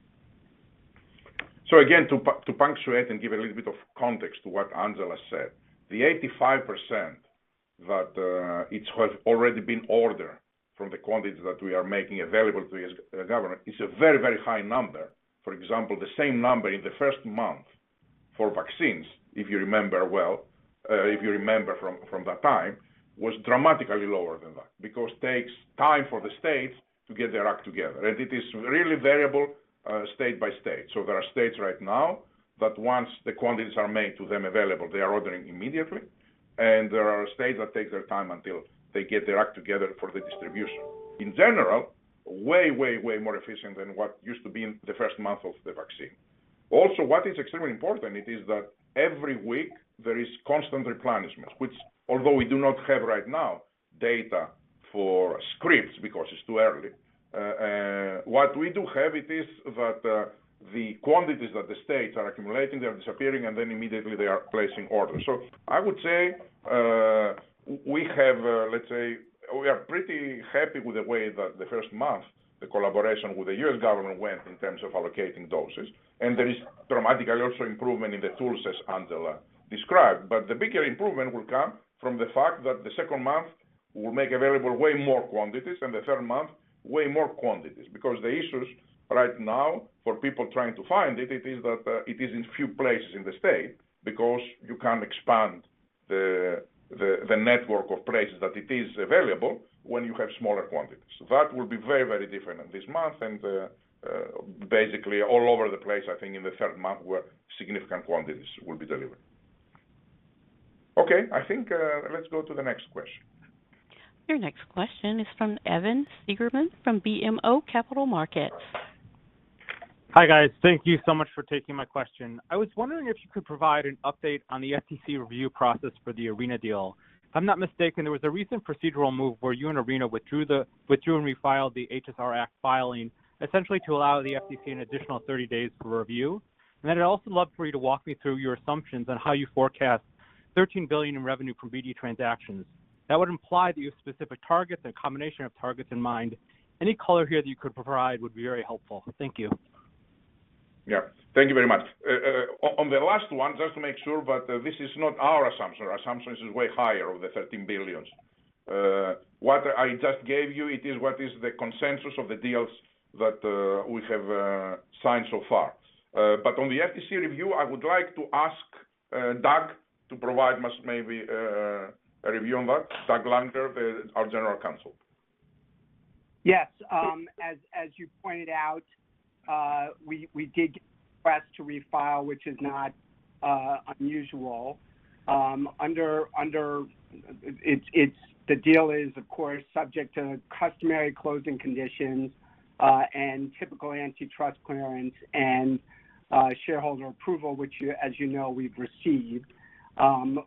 Again, to punctuate and give a little bit of context to what Angela said, the 85% that it has already been ordered from the quantities that we are making available to U.S. government is a very, very high number. For example, the same number in the first month for vaccines, if you remember from that time, was dramatically lower than that because takes time for the states to get their act together. It is really variable, state by state. There are states right now that once the quantities are made to them available, they are ordering immediately, and there are states that take their time until they get their act together for the distribution. In general, way more efficient than what used to be in the first month of the vaccine. What is extremely important it is that every week there is constant replenishment, which although we do not have right now data for scripts because it's too early, what we do have it is that, the quantities that the states are accumulating, they're disappearing, and then immediately they are placing orders. I would say, we have, let's say, we are pretty happy with the way that the first month the collaboration with the U.S. government went in terms of allocating doses. There is dramatically also improvement in the tools, as Angela described. The bigger improvement will come from the fact that the second month we'll make available way more quantities, and the third month, way more quantities. Because the issues right now for people trying to find it is that, it is in few places in the state because you can't expand the network of places that it is available when you have smaller quantities. That will be very, very different in this month and, basically all over the place, I think in the third month, where significant quantities will be delivered. Okay. I think, let's go to the next question. Your next question is from Evan Seigerman from BMO Capital Markets. Hi, guys. Thank you so much for taking my question. I was wondering if you could provide an update on the FTC review process for the Arena deal. If I'm not mistaken, there was a recent procedural move where you and Arena withdrew and refiled the HSR Act filing, essentially to allow the FTC an additional 30 days for review. Then I'd also love for you to walk me through your assumptions on how you forecast $13 billion in revenue from BD transactions. That would imply that you have specific targets and a combination of targets in mind. Any color here that you could provide would be very helpful. Thank you. Yeah. Thank you very much. On the last one, just to make sure, but this is not our assumption. Our assumption is way higher over $13 billion. What I just gave you it is what is the consensus of the deals that we have signed so far. But on the FTC review, I would like to ask Doug to provide us maybe a review on that. Doug Lankler, our General Counsel. Yes. As you pointed out, we did request to refile, which is not unusual. It is, of course, subject to customary closing conditions and typical antitrust clearance and shareholder approval, which as you know, we've received.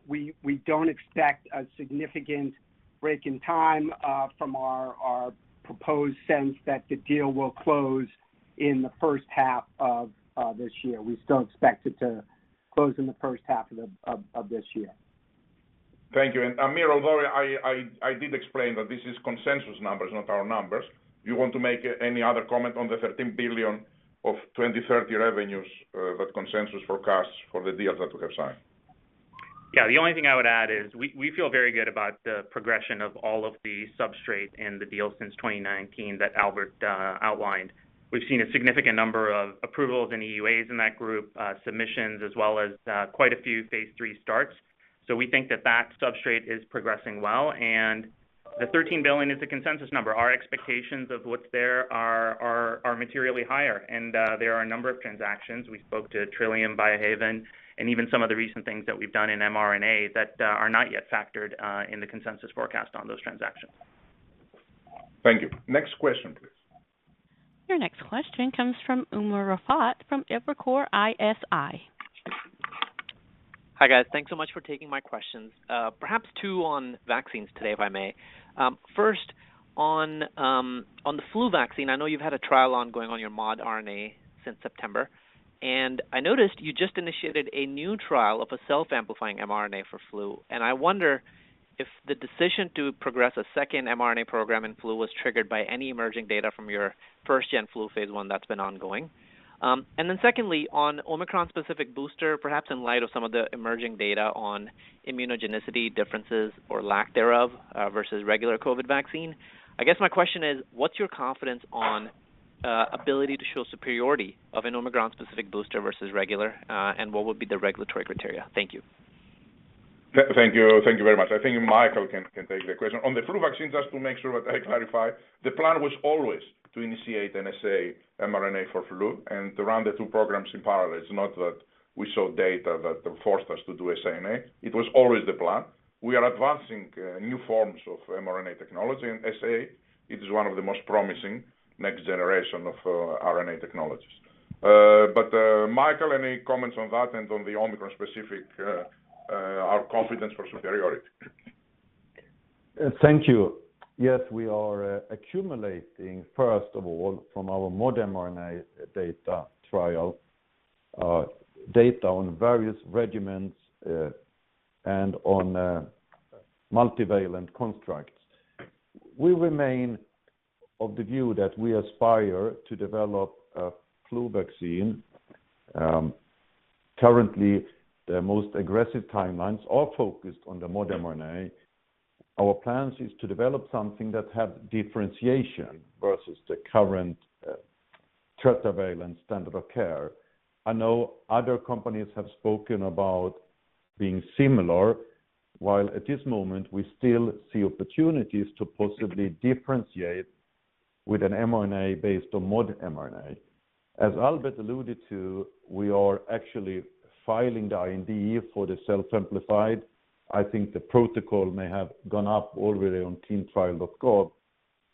We don't expect a significant break in time from our proposed sense that the deal will close in the first half of this year. We still expect it to close in the first half of this year. Thank you. Aamir, although I did explain that this is consensus numbers, not our numbers, you want to make any other comment on the $13 billion of 2030 revenues that consensus forecasts for the deals that we have signed? Yeah. The only thing I would add is we feel very good about the progression of all of the substrate in the deal since 2019 that Albert outlined. We've seen a significant number of approvals and EUAs in that group, submissions, as well as, quite a few phase III starts. We think that substrate is progressing well, and the $13 billion is the consensus number. Our expectations of what's there are materially higher. There are a number of transactions. We spoke to Trillium, Biohaven, and even some of the recent things that we've done in mRNA that are not yet factored in the consensus forecast on those transactions. Thank you. Next question, please. Your next question comes from Umer Raffat from Evercore ISI. Hi, guys. Thanks so much for taking my questions. Perhaps two on vaccines today, if I may. First, on the flu vaccine, I know you've had a trial ongoing on your modRNA since September. I noticed you just initiated a new trial of a self-amplifying mRNA for flu. I wonder if the decision to progress a second mRNA program in flu was triggered by any emerging data from your first gen flu phase I that's been ongoing. Then secondly, on Omicron-specific booster, perhaps in light of some of the emerging data on immunogenicity differences or lack thereof, versus regular COVID vaccine, I guess my question is, what's your confidence on ability to show superiority of an Omicron-specific booster versus regular, and what would be the regulatory criteria? Thank you. Thank you. Thank you very much. I think Mikael can take the question. On the flu vaccine, just to make sure that I clarify, the plan was always to initiate an SA mRNA for flu and to run the two programs in parallel. It's not that we saw data that forced us to do SA/NA. It was always the plan. We are advancing new forms of mRNA technology, and SA, it is one of the most promising next generation of RNA technologies. Mikael, any comments on that and on the Omicron-specific, our confidence for superiority? Thank you. Yes, we are accumulating, first of all, from our mod mRNA data trial, data on various regimens, and on multivalent constructs. We remain of the view that we aspire to develop a flu vaccine. Currently, the most aggressive timelines are focused on the mod mRNA. Our plans is to develop something that have differentiation versus the current tetravalent standard of care. I know other companies have spoken about being similar, while at this moment we still see opportunities to possibly differentiate with an mRNA based on mod mRNA. As Albert alluded to, we are actually filing the IND for the self amplified. I think the protocol may have gone up already on ClinicalTrials.gov,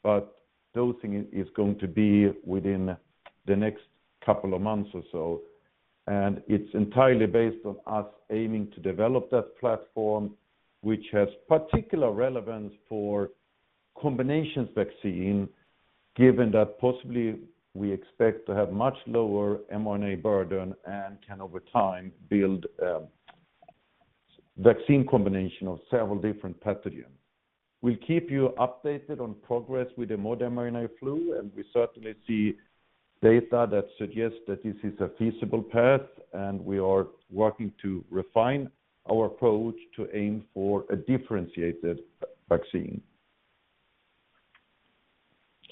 but dosing is going to be within the next couple of months or so, and it's entirely based on us aiming to develop that platform, which has particular relevance for combination vaccine, given that possibly we expect to have much lower mRNA burden and can over time build vaccine combination of several different pathogens. We'll keep you updated on progress with the modRNA flu, and we certainly see data that suggests that this is a feasible path, and we are working to refine our approach to aim for a differentiated vaccine.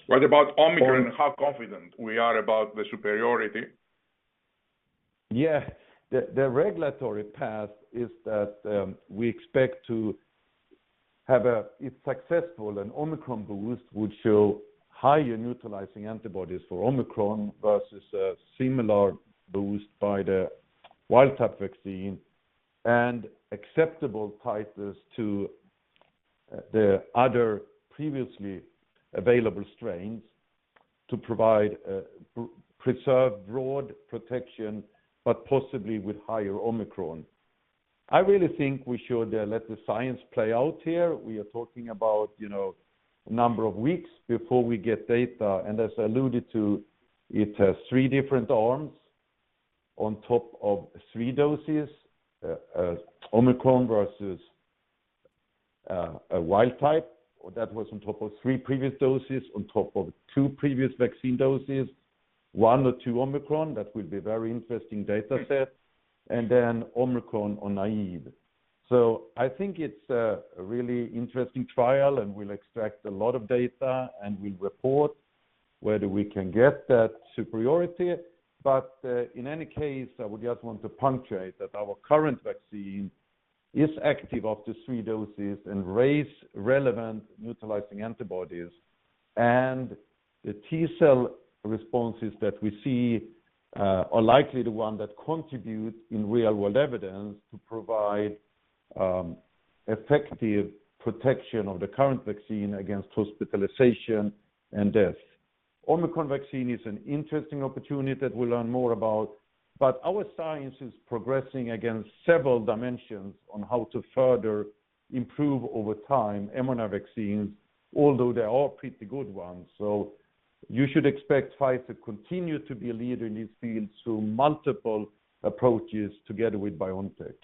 What about Omicron? How confident are we about the superiority? Yeah. The regulatory path is that we expect to have... If successful, an Omicron boost would show higher neutralizing antibodies for Omicron versus a similar boost by the wild type vaccine and acceptable titers to the other previously available strains to provide preserved broad protection, but possibly with higher Omicron. I really think we should let the science play out here. We are talking about, you know, a number of weeks before we get data. As alluded to, it has three different arms on top of three doses, Omicron versus a wild type. That was on top of three previous doses, on top of two previous vaccine doses, one or two Omicron. That will be very interesting data set, and then Omicron or naive. I think it's a really interesting trial, and we'll extract a lot of data, and we'll report whether we can get that superiority. In any case, I would just want to punctuate that our current vaccine is active after three doses and raise relevant neutralizing antibodies. The T cell responses that we see are likely the one that contribute in real world evidence to provide effective protection of the current vaccine against hospitalization and death. Omicron vaccine is an interesting opportunity that we'll learn more about, but our science is progressing against several dimensions on how to further improve over time mRNA vaccines, although they're all pretty good ones. You should expect Pfizer continue to be a leader in this field through multiple approaches together with BioNTech.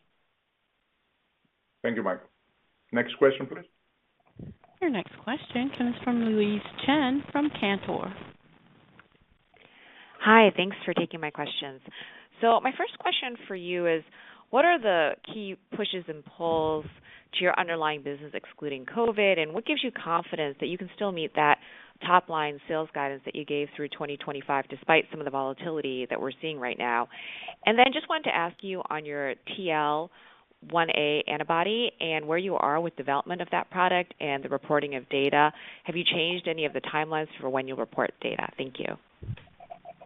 Thank you, Mikael. Next question, please. Your next question comes from Louise Chen from Cantor. Hi. Thanks for taking my questions. My first question for you is, what are the key pushes and pulls to your underlying business excluding COVID? What gives you confidence that you can still meet that top line sales guidance that you gave through 2025, despite some of the volatility that we're seeing right now? Then just wanted to ask you on your TL1A antibody and where you are with development of that product and the reporting of data. Have you changed any of the timelines for when you report data? Thank you.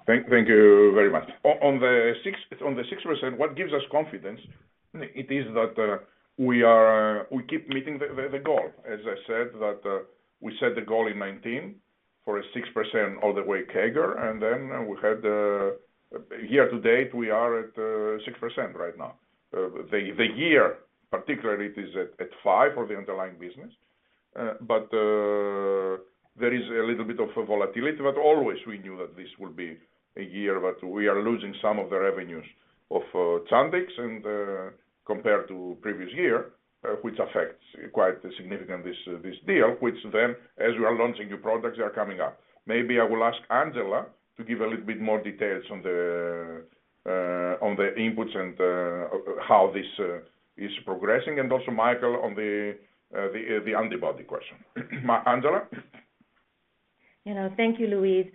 Thank you very much. On the 6%, what gives us confidence is that we keep meeting the goal. As I said that, we set the goal in 2019 for a 6% all the way CAGR, and then we had year to date, we are at 6% right now. The year particularly it is at 5% for the underlying business. There is a little bit of a volatility. We always knew that this would be a year that we are losing some of the revenues of Chantix and compared to previous year, which affects quite significantly this year, which then as we are launching new products, they are coming up. Maybe I will ask Angela to give a little bit more details on the inputs and how this is progressing, and also Mikael on the antibody question. Angela? You know, thank you, Louise.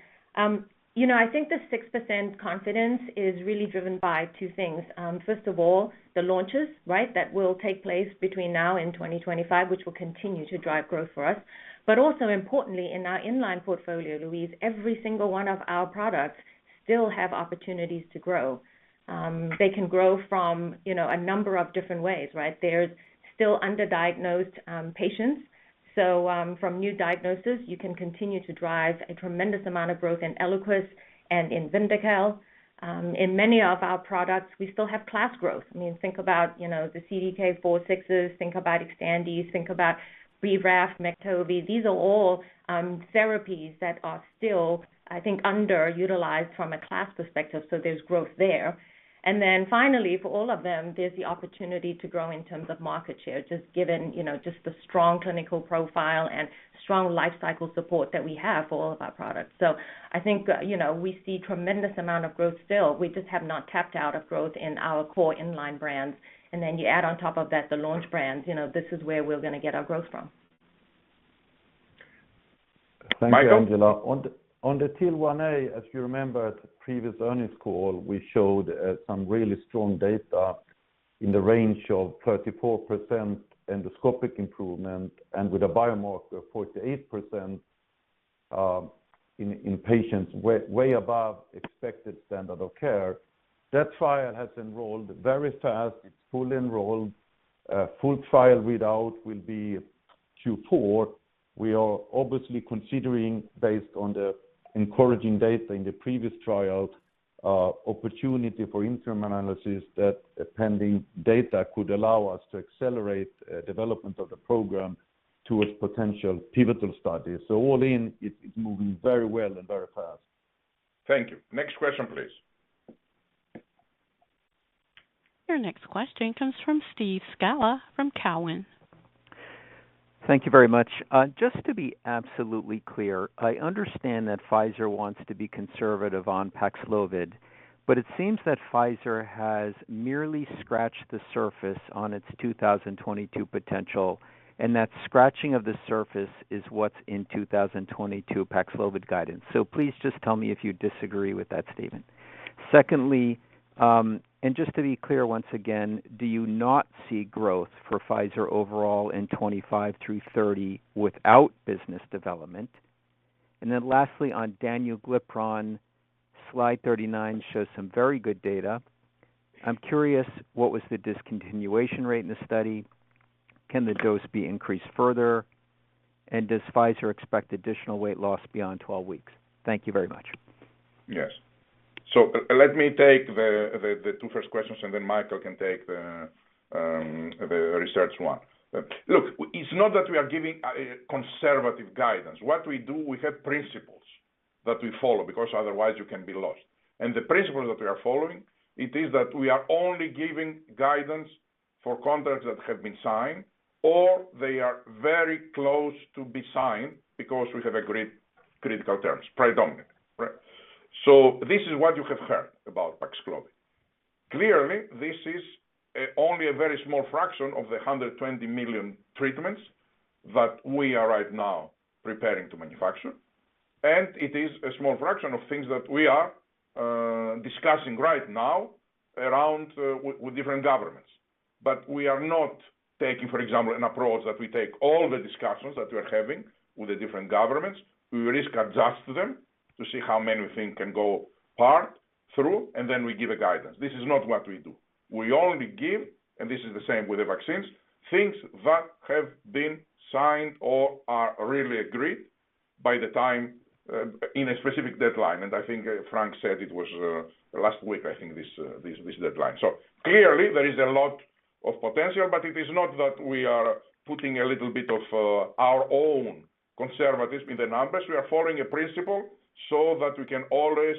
You know, I think the 6% confidence is really driven by two things. First of all, the launches, right? That will take place between now and 2025, which will continue to drive growth for us. Also importantly, in our in-line portfolio, Louise, every single one of our products still have opportunities to grow. They can grow from, you know, a number of different ways, right? There's still underdiagnosed patients. From new diagnosis, you can continue to drive a tremendous amount of growth in Eliquis and in VYNDAQEL. In many of our products, we still have class growth. I mean, think about, you know, the CDK4/6s, think about XTANDI, think about Braftovi. These are all therapies that are still, I think, underutilized from a class perspective, so there's growth there. Then finally, for all of them, there's the opportunity to grow in terms of market share, just given, you know, just the strong clinical profile and strong lifecycle support that we have for all of our products. I think, you know, we see tremendous amount of growth still. We just have not tapped out of growth in our core inline brands. You add on top of that the launch brands, you know, this is where we're gonna get our growth from. Mikael? Thank you, Angela. On the TL1A, as you remember at the previous earnings call, we showed some really strong data in the range of 34% endoscopic improvement and with a biomarker of 48%, in patients way above expected standard of care. That trial has enrolled very fast. It's fully enrolled. Full trial readout will be Q4. We are obviously considering based on the encouraging data in the previous trial, opportunity for interim analysis that pending data could allow us to accelerate development of the program towards potential pivotal studies. All in, it's moving very well and very fast. Thank you. Next question, please. Your next question comes from Steve Scala from Cowen. Thank you very much. Just to be absolutely clear, I understand that Pfizer wants to be conservative on Paxlovid, but it seems that Pfizer has merely scratched the surface on its 2022 potential, and that scratching of the surface is what's in 2022 Paxlovid guidance. Please just tell me if you disagree with that statement. Secondly, and just to be clear once again, do you not see growth for Pfizer overall in 25 through 30 without business development? Then lastly, on danuglipron, slide 39 shows some very good data. I'm curious what was the discontinuation rate in the study? Can the dose be increased further? And does Pfizer expect additional weight loss beyond 12 weeks? Thank you very much. Yes. Let me take the two first questions, and then Mikael can take the research one. Look, it's not that we are giving a conservative guidance. What we do, we have principles that we follow, because otherwise you can be lost. The principles that we are following, it is that we are only giving guidance for contracts that have been signed, or they are very close to be signed because we have agreed critical terms predominant, right? This is what you have heard about Paxlovid. Clearly, this is only a very small fraction of the 120 million treatments that we are right now preparing to manufacture. It is a small fraction of things that we are discussing right now with different governments. We are not taking, for example, an approach that we take all the discussions that we're having with the different governments. We risk adjust them to see how many we think can go forward, and then we give a guidance. This is not what we do. We only give, and this is the same with the vaccines, things that have been signed or are really agreed by the time in a specific deadline. I think Frank said it was last week, I think this deadline. Clearly there is a lot of potential, but it is not that we are putting a little bit of our own conservatism in the numbers. We are following a principle so that we can always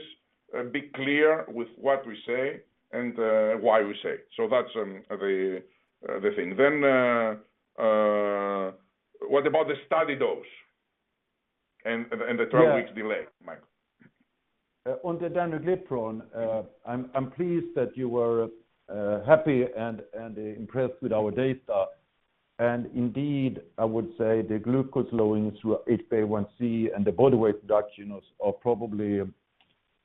be clear with what we say and why we say it. That's the thing. What about the study dose and the 12-week delay, Mikael? Yeah. On the danuglipron, I'm pleased that you were happy and impressed with our data. Indeed, I would say the glucose lowering through HbA1c and the body weight reduction are probably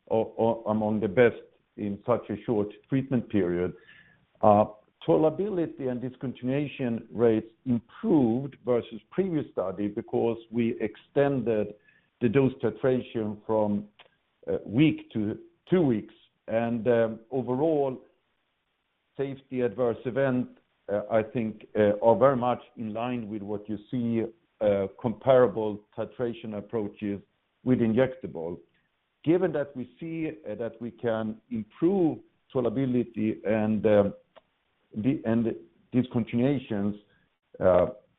among the best in such a short treatment period. Tolerability and discontinuation rates improved versus previous study because we extended the dose titration from week to 2 weeks. Overall safety adverse events, I think, are very much in line with what you see comparable titration approaches with injectables. Given that we see that we can improve solubility and discontinuations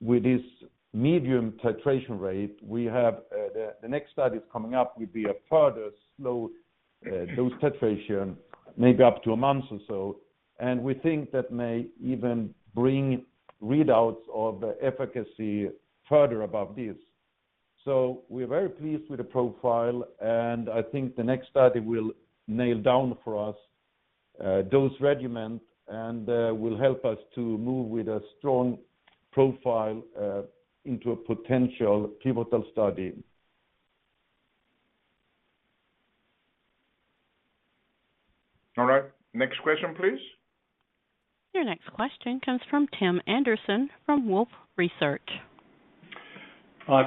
with this medium titration rate, we have the next study coming up with the further slow dose titration, maybe up to a month or so. We think that may even bring readouts of efficacy further above this. We're very pleased with the profile, and I think the next study will nail down for us dose regimen and will help us to move with a strong profile into a potential pivotal study. All right. Next question, please. Your next question comes from Tim Anderson from Wolfe Research.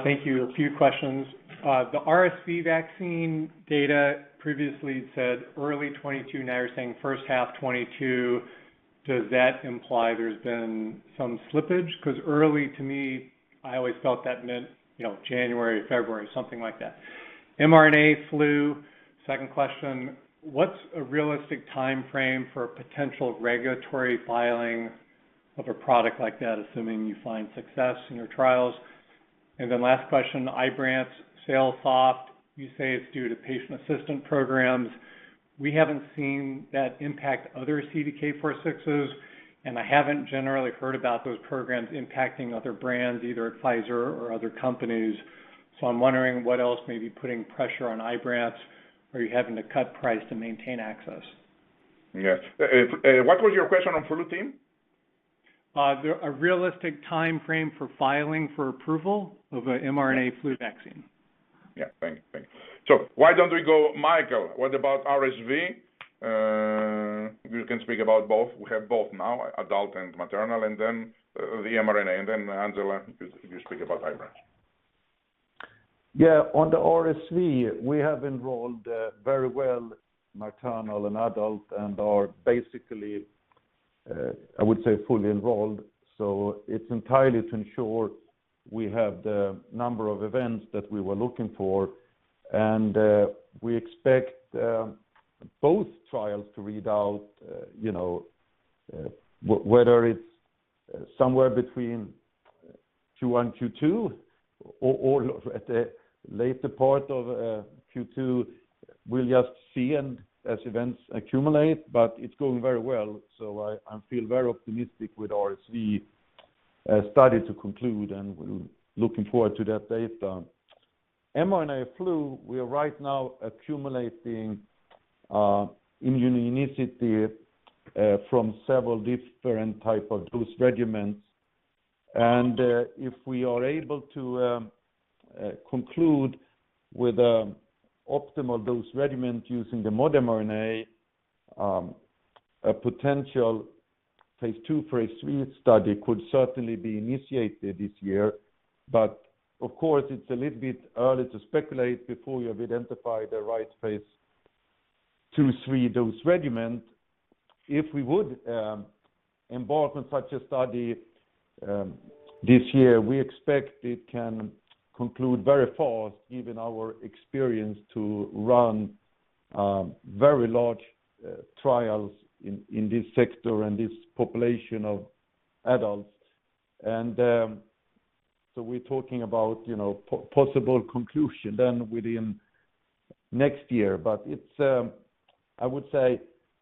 Thank you. A few questions. The RSV vaccine data previously said early 2022, now you're saying first half 2022. Does that imply there's been some slippage? Because early to me, I always felt that meant, you know, January, February, something like that. mRNA flu, second question, what's a realistic timeframe for a potential regulatory filing of a product like that, assuming you find success in your trials? Then last question, IBRANCE sales soft, you say it's due to patient assistance programs. We haven't seen that impact other CDK4/6s, and I haven't generally heard about those programs impacting other brands, either at Pfizer or other companies. So I'm wondering what else may be putting pressure on IBRANCE. Are you having to cut price to maintain access? Yes. What was your question on Flutime? a realistic timeframe for filing for approval of an mRNA flu vaccine? Thank you. Why don't we go, Mikael, what about RSV? You can speak about both. We have both now, adult and maternal, and then the mRNA. Angela, you speak about IBRANCE. Yeah. On the RSV, we have enrolled very well maternal and adult and are basically, I would say, fully enrolled. It's entirely to ensure we have the number of events that we were looking for. We expect both trials to read out, you know, whether it's somewhere between Q1, Q2 or at a later part of Q2. We'll just see and as events accumulate, but it's going very well. I feel very optimistic with RSV study to conclude, and we're looking forward to that data. mRNA flu, we are right now accumulating immunogenicity from several different type of dose regimens. If we are able to conclude with optimal dose regimen using the Moderna mRNA, a potential phase II, phase III study could certainly be initiated this year. Of course, it's a little bit early to speculate before you have identified the right phase II/III dose regimen. If we would embark on such a study this year, we expect it can conclude very fast, given our experience to run very large trials in this sector and this population of adults. We're talking about, you know, possible conclusion then within next year. It's, I would say,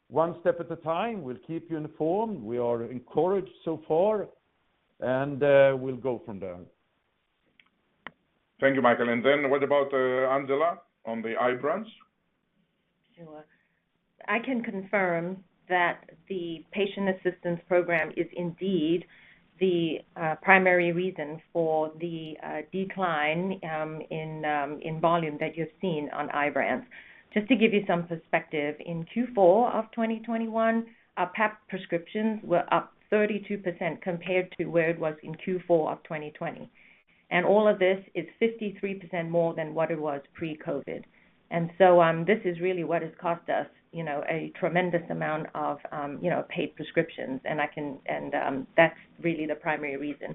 one step at a time. We'll keep you informed. We are encouraged so far, and we'll go from there. Thank you, Mikael. What about Angela on the Ibrance? Sure. I can confirm that the patient assistance program is indeed the primary reason for the decline in volume that you're seeing on IBRANCE. Just to give you some perspective, in Q4 of 2021, our PAP prescriptions were up 32% compared to where it was in Q4 of 2020. All of this is 53% more than what it was pre-COVID. This is really what has cost us, you know, a tremendous amount of paid prescriptions. That's really the primary reason.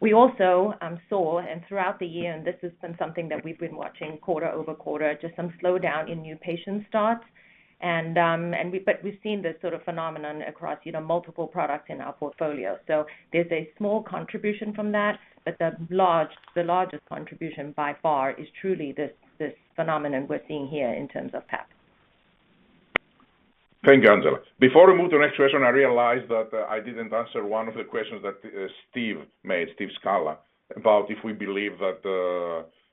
We also saw, throughout the year, this is something that we've been watching quarter-over-quarter, just some slowdown in new patient starts. But we've seen this sort of phenomenon across, you know, multiple products in our portfolio. There's a small contribution from that, but the largest contribution by far is truly this phenomenon we're seeing here in terms of PAP. Thank you, Angela. Before we move to the next question, I realized that I didn't answer one of the questions that Steve made, Steve Scala, about if we believe that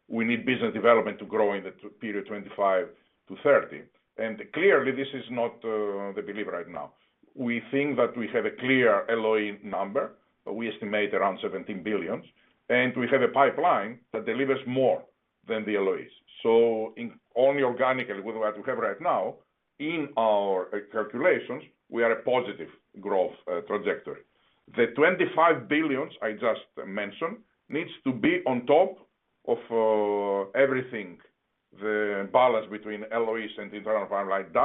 we need business development to grow in the period 2025 to 2030. Clearly, this is not the belief right now. We think that we have a clear LOI number. We estimate around $17 billion, and we have a pipeline that delivers more than the LOIs. Only organically with what we have right now in our calculations, we are a positive growth trajectory. The $25 billion I just mentioned needs to be on top of everything, the balance between LOIs and internal R&D,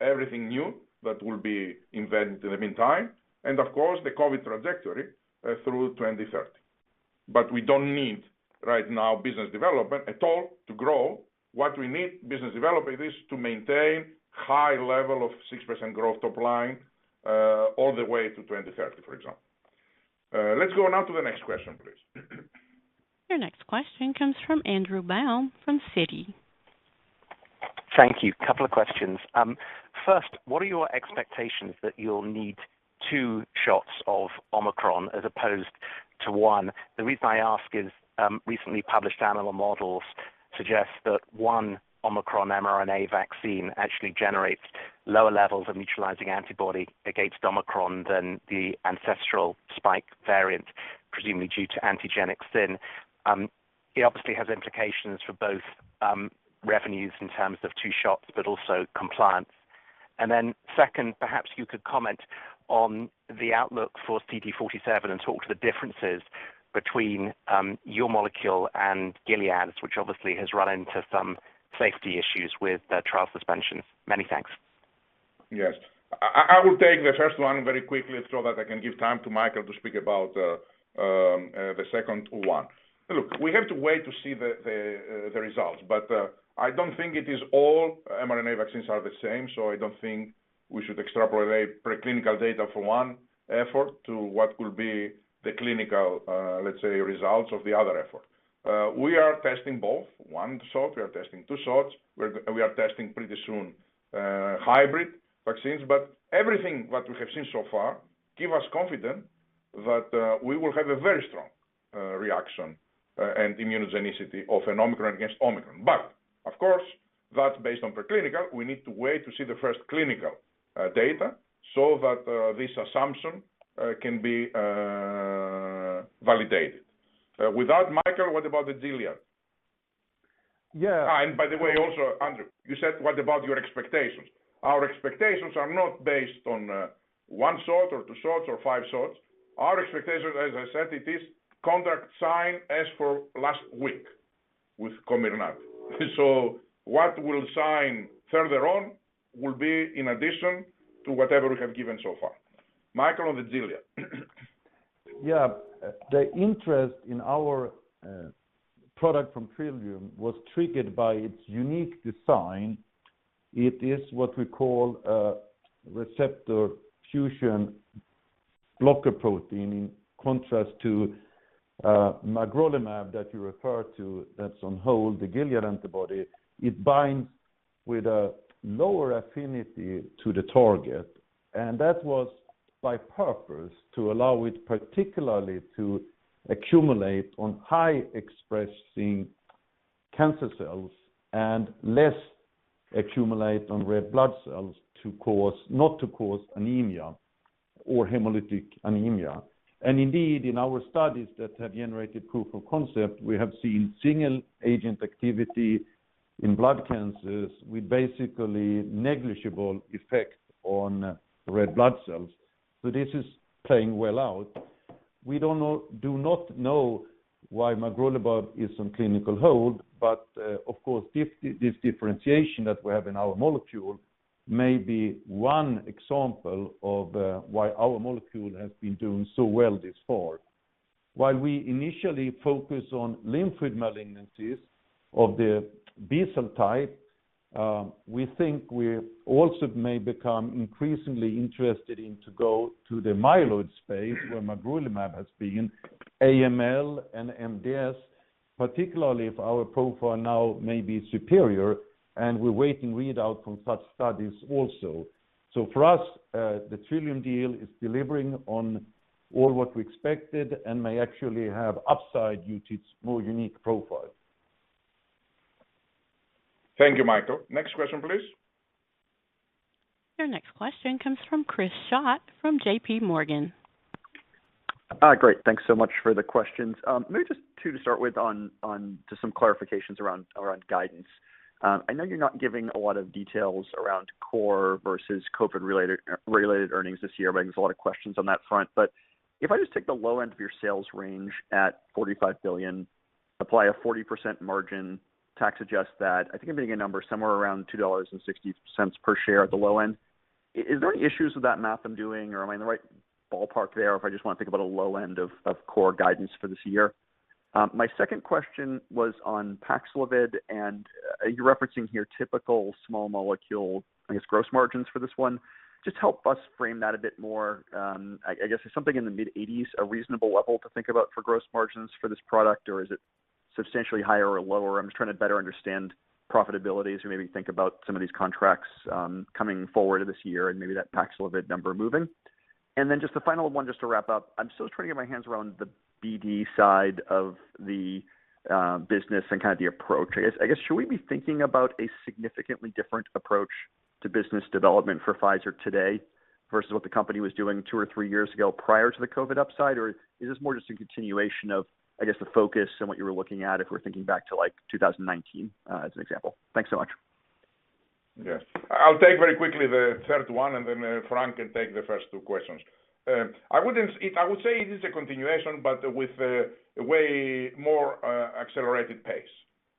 everything new that will be invented in the meantime, and of course, the COVID trajectory through 2030. We don't need right now business development at all to grow. What we need business development is to maintain high level of 6% growth top line, all the way to 2030, for example. Let's go now to the next question, please. Your next question comes from Andrew Baum from Citi. Thank you. Couple of questions. First, what are your expectations that you'll need- Two shots of Omicron as opposed to one. The reason I ask is, recently published animal models suggest that one Omicron mRNA vaccine actually generates lower levels of neutralizing antibody against Omicron than the ancestral spike variant, presumably due to antigenic sin. It obviously has implications for both, revenues in terms of two shots, but also compliance. Then second, perhaps you could comment on the outlook for CD47 and talk to the differences between, your molecule and Gilead's, which obviously has run into some safety issues with the trial suspension. Many thanks. Yes. I will take the first one very quickly so that I can give time to Mikael to speak about the second one. Look, we have to wait to see the results, but I don't think it is all mRNA vaccines are the same, so I don't think we should extrapolate preclinical data for one effort to what will be the clinical, let's say results of the other effort. We are testing both one shot, we are testing two shots. We are testing pretty soon hybrid vaccines, but everything what we have seen so far give us confident that we will have a very strong reaction and immunogenicity of an Omicron against Omicron. But of course, that's based on preclinical. We need to wait to see the first clinical data so that this assumption can be validated. With that, Mikael, what about the Gilead? Yeah. By the way, also, Andrew, you said, what about your expectations? Our expectations are not based on one shot or two shots or five shots. Our expectations, as I said, it is contract signed as for last week with Comirnaty. What we'll sign further on will be in addition to whatever we have given so far. Mikael on the Gilead. Yeah. The interest in our product from Trillium was triggered by its unique design. It is what we call a receptor fusion blocker protein, in contrast to Magrolimab that you refer to, that's on hold, the Gilead antibody. It binds with a lower affinity to the target, and that was by purpose to allow it particularly to accumulate on high expressing cancer cells and less accumulate on red blood cells not to cause anemia or hemolytic anemia. Indeed, in our studies that have generated proof of concept, we have seen single agent activity in blood cancers with basically negligible effect on red blood cells. This is playing well out. We do not know why Magrolimab is on clinical hold, but of course, this differentiation that we have in our molecule may be one example of why our molecule has been doing so well this far. While we initially focus on lymphoid malignancies of the B cell type, we think we also may become increasingly interested in to go to the myeloid space where Magrolimab has been AML and MDS, particularly if our profile now may be superior and we're waiting readout from such studies also. For us, the Trillium deal is delivering on all what we expected and may actually have upside due to its more unique profile. Thank you, Mikael. Next question please. Your next question comes from Chris Schott from J.P. Morgan. Great. Thanks so much for the questions. Maybe just two to start with on just some clarifications around guidance. I know you're not giving a lot of details around core versus COVID related earnings this year, but I guess a lot of questions on that front. If I just take the low end of your sales range at $45 billion, apply a 40% margin, tax adjust that, I think I'm getting a number somewhere around $2.60 per share at the low end. Is there any issues with that math I'm doing, or am I in the right ballpark there if I just wanna think about a low end of core guidance for this year? My second question was on Paxlovid, and you're referencing here typical small molecule, I guess, gross margins for this one. Just help us frame that a bit more. I guess, is something in the mid-80s% a reasonable level to think about for gross margins for this product, or is it substantially higher or lower? I'm just trying to better understand profitability as we maybe think about some of these contracts coming forward this year and maybe that Paxlovid number moving. Then just a final one just to wrap up. I'm still trying to get my hands around the BD side of the business and kind of the approach. I guess should we be thinking about a significantly different approach to business development for Pfizer today versus what the company was doing two or three years ago prior to the COVID upside? Is this more just a continuation of, I guess, the focus and what you were looking at if we're thinking back to like 2019, as an example? Thanks so much. Yes. I'll take very quickly the third one, and then, Frank can take the first two questions. I would say it is a continuation but with a way more accelerated pace.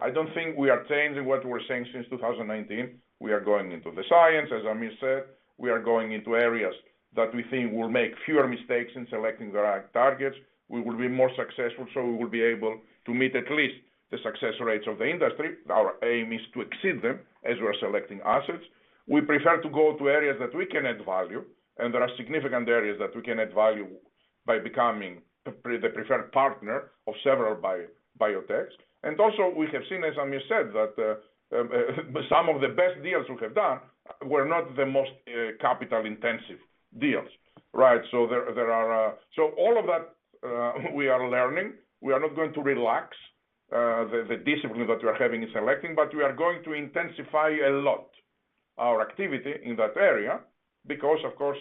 I don't think we are changing what we're saying since 2019. We are going into the science, as Amir said. We are going into areas that we think will make fewer mistakes in selecting the right targets. We will be more successful, so we will be able to meet at least the success rates of the industry. Our aim is to exceed them as we're selecting assets. We prefer to go to areas that we can add value, and there are significant areas that we can add value by becoming the preferred partner of several biotechs. We have seen, as Aamir said, that some of the best deals we have done were not the most capital-intensive deals, right? There are. All of that we are learning. We are not going to relax the discipline that we are having in selecting, but we are going to intensify a lot our activity in that area because of course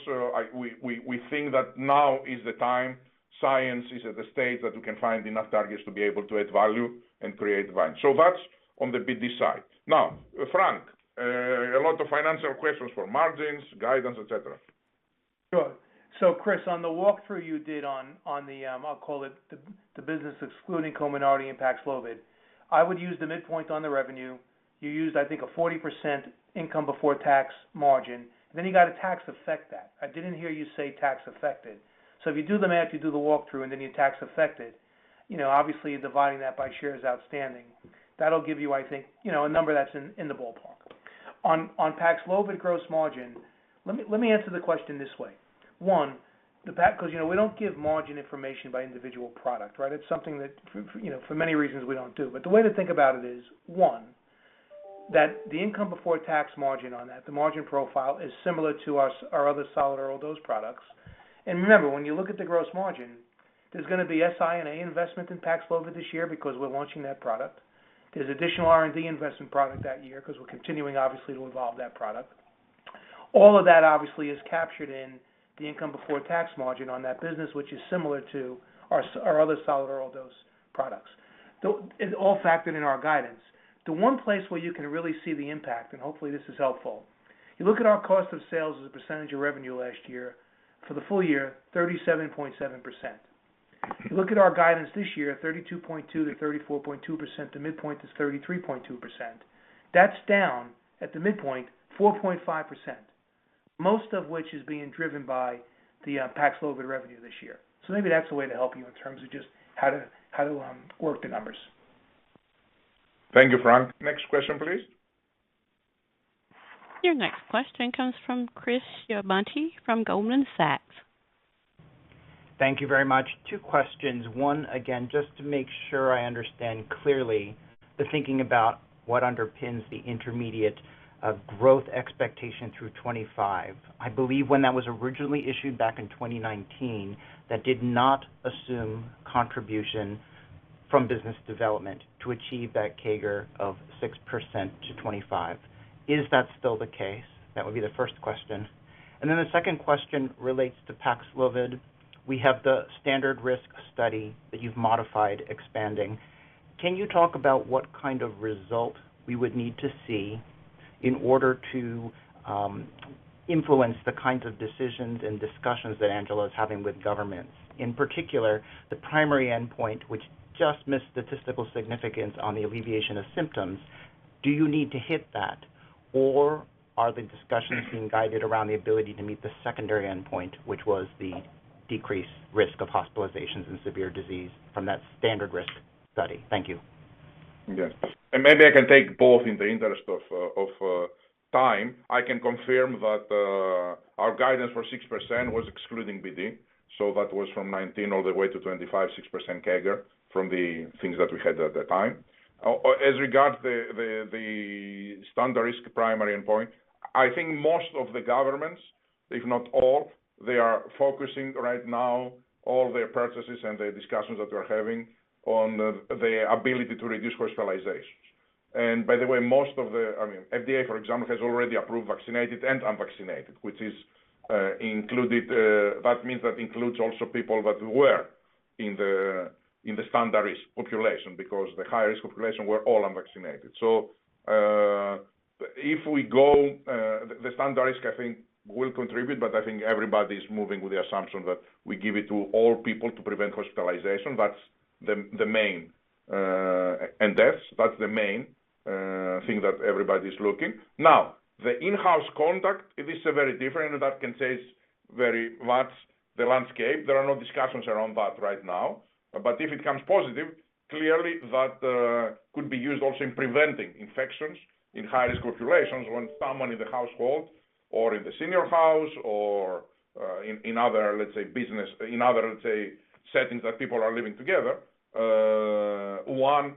we think that now is the time, science is at the stage that we can find enough targets to be able to add value and create volume. That's on the BD side. Now, Frank, a lot of financial questions for margins, guidance, et cetera. Sure. Chris, on the walkthrough you did on the business excluding Comirnaty and Paxlovid, I would use the midpoint on the revenue. You used, I think, a 40% income before tax margin, and then you got to tax affect that. I didn't hear you say tax affected. If you do the math, you do the walkthrough, and then you tax affect it, you know, obviously you're dividing that by shares outstanding. That'll give you, I think, you know, a number that's in the ballpark. On Paxlovid gross margin, let me answer the question this way. One, 'cause you know we don't give margin information by individual product, right? It's something that, you know, for many reasons we don't do. The way to think about it is, one, that the income before tax margin on that, the margin profile is similar to our other solid oral dose products. Remember, when you look at the gross margin, there's gonna be SI&A investment in Paxlovid this year because we're launching that product. There's additional R&D investment in that product that year because we're continuing, obviously, to evolve that product. All of that obviously is captured in the income before tax margin on that business, which is similar to our other solid oral dose products. That's all factored in our guidance. The one place where you can really see the impact, and hopefully this is helpful, you look at our cost of sales as a percentage of revenue last year for the full year, 37.7%. You look at our guidance this year, 32.2%-34.2%, the midpoint is 33.2%. That's down, at the midpoint, 4.5%, most of which is being driven by the Paxlovid revenue this year. Maybe that's a way to help you in terms of just how to work the numbers. Thank you, Frank. Next question, please. Your next question comes from Chris Shibutani from Goldman Sachs. Thank you very much. Two questions. One, again, just to make sure I understand clearly the thinking about what underpins the intermediate of growth expectation through 2025. I believe when that was originally issued back in 2019, that did not assume contribution from business development to achieve that CAGR of 6% to 2025. Is that still the case? That would be the first question. And then the second question relates to Paxlovid. We have the standard risk study that you've modified expanding. Can you talk about what kind of result we would need to see in order to influence the kinds of decisions and discussions that Angela is having with governments? In particular, the primary endpoint, which just missed statistical significance on the alleviation of symptoms. Do you need to hit that or are the discussions being guided around the ability to meet the secondary endpoint, which was the decreased risk of hospitalizations and severe disease from that standard risk study? Thank you. Yes. Maybe I can take both in the interest of time. I can confirm that our guidance for 6% was excluding BD. That was from 2019 all the way to 2025, 6% CAGR from the things that we had at that time. As regards the standard risk primary endpoint, I think most of the governments, if not all, are focusing right now all their purchases and the discussions that they're having on the ability to reduce hospitalizations. By the way, most of the, I mean, FDA, for example, has already approved vaccinated and unvaccinated, which is included, that means that includes also people that were in the standard risk population because the high-risk population were all unvaccinated. If we go the standard risk, I think will contribute, but I think everybody is moving with the assumption that we give it to all people to prevent hospitalization. That's the main and deaths. That's the main thing that everybody's looking. Now, the in-house contact it is a very different, and that can change very much the landscape. There are no discussions around that right now. If it comes positive, clearly that could be used also in preventing infections in high-risk populations when someone in the household or in the senior house or in other, let's say, business, in other, let's say, settings that people are living together, one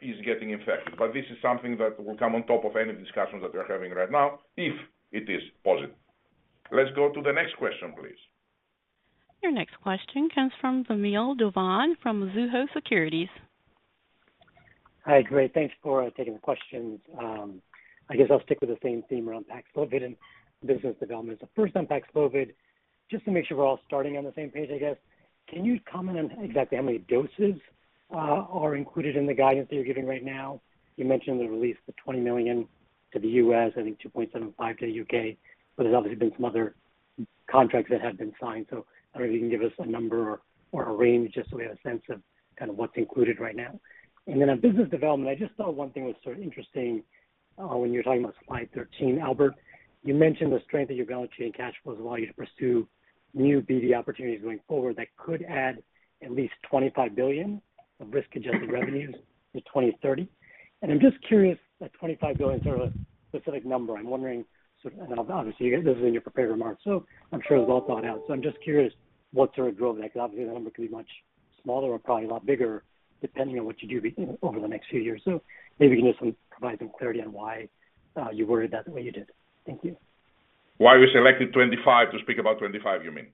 is getting infected. This is something that will come on top of any discussions that we're having right now if it is positive. Let's go to the next question, please. Your next question comes from Vamil Divan from Mizuho Securities. Hi, great. Thanks for taking the questions. I guess I'll stick with the same theme around Paxlovid and business development. First on Paxlovid, just to make sure we're all starting on the same page, I guess, can you comment on exactly how many doses are included in the guidance that you're giving right now? You mentioned the release of 20 million to the U.S., I think 2.75 to the U.K. There's obviously been some other contracts that have been signed. I don't know if you can give us a number or a range just so we have a sense of kind of what's included right now. On business development, I just thought one thing was sort of interesting, when you were talking about slide 13, Albert, you mentioned the strength of your balance sheet and cash flows allow you to pursue new BD opportunities going forward that could add at least $25 billion of risk-adjusted revenues to 2030. I'm just curious, that $25 billion sort of a specific number. I'm wondering sort of and obviously, this is in your prepared remarks, so I'm sure it's well thought out. I'm just curious what sort of drove that, because obviously that number could be much smaller or probably a lot bigger, depending on what you do over the next few years. Maybe you can just provide some clarity on why you worded that the way you did. Thank you. Why we selected 25 to speak about 25, you mean?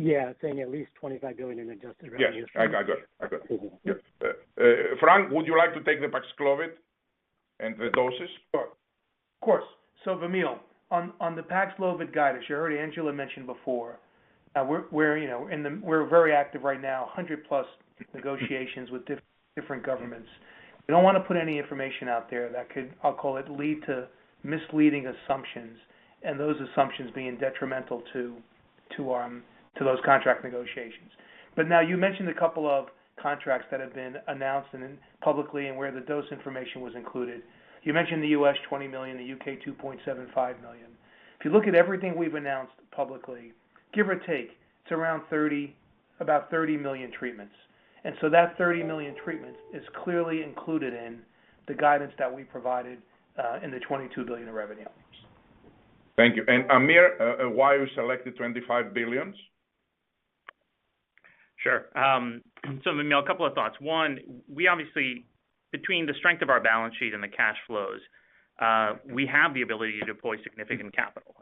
Yeah, saying at least $25 billion in adjusted revenue. Yes. I got it. Yep. Frank, would you like to take the Paxlovid and the doses? Of course. Vamil, on the Paxlovid guidance, you already, Angela mentioned before, we're you know very active right now, 100+ negotiations with different governments. We don't wanna put any information out there that could, I'll call it, lead to misleading assumptions, and those assumptions being detrimental to those contract negotiations. But now you mentioned a couple of contracts that have been announced publicly and where the dose information was included. You mentioned the U.S., 20 million, the U.K., 2.75 million. If you look at everything we've announced publicly, give or take, it's around 30, about 30 million treatments. That 30 million treatments is clearly included in the guidance that we provided in the $22 billion of revenue. Thank you. Aamir, why you selected $25 billion? Sure. Vamil, a couple of thoughts. One, we obviously, between the strength of our balance sheet and the cash flows, we have the ability to deploy significant capital.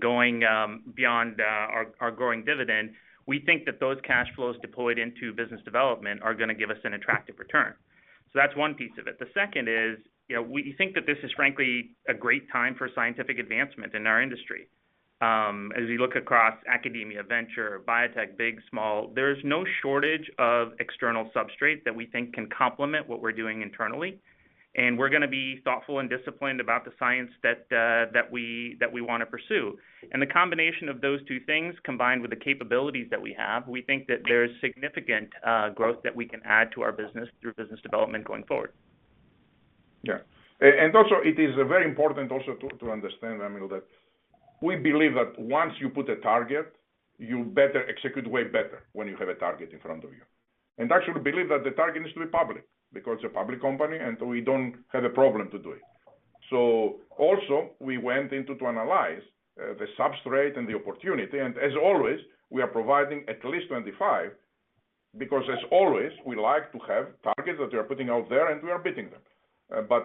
Going beyond our growing dividend, we think that those cash flows deployed into business development are gonna give us an attractive return. That's one piece of it. The second is, we think that this is frankly a great time for scientific advancement in our industry. As we look across academia, venture, biotech, big, small, there is no shortage of external substrate that we think can complement what we're doing internally. We're gonna be thoughtful and disciplined about the science that we wanna pursue. The combination of those two things, combined with the capabilities that we have, we think that there is significant growth that we can add to our business through business development going forward. Yeah. Also it is very important also to understand, Vamil, that we believe that once you put a target, you better execute way better when you have a target in front of you. I actually believe that the target needs to be public because it's a public company, and we don't have a problem to do it. Also we went in to analyze the substrate and the opportunity. As always, we are providing at least 25%, because as always, we like to have targets that we are putting out there and we are beating them.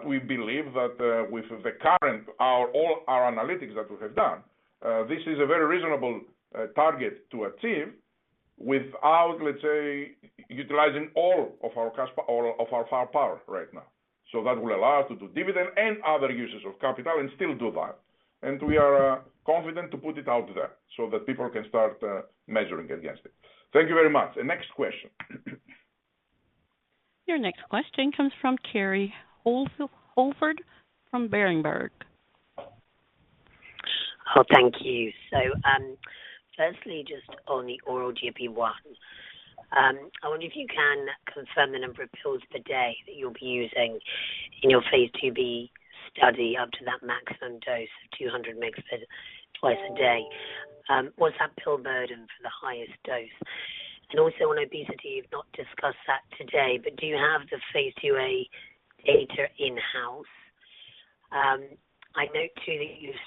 We believe that with the current all our analytics that we have done, this is a very reasonable target to achieve without, let's say, utilizing all of our cash or of our firepower right now. That will allow us to do dividend and other uses of capital and still do that. We are confident to put it out there so that people can start measuring against it. Thank you very much. The next question. Your next question comes from Kerry Holford from Berenberg. Thank you. Firstly, just on the oral GLP-1, I wonder if you can confirm the number of pills per day that you'll be using in your phase IIb study up to that maximum dose of 200 mg twice a day. What's that pill burden for the highest dose? And also on obesity, you've not discussed that today, but do you have the phase IIa data in-house? I know too that you've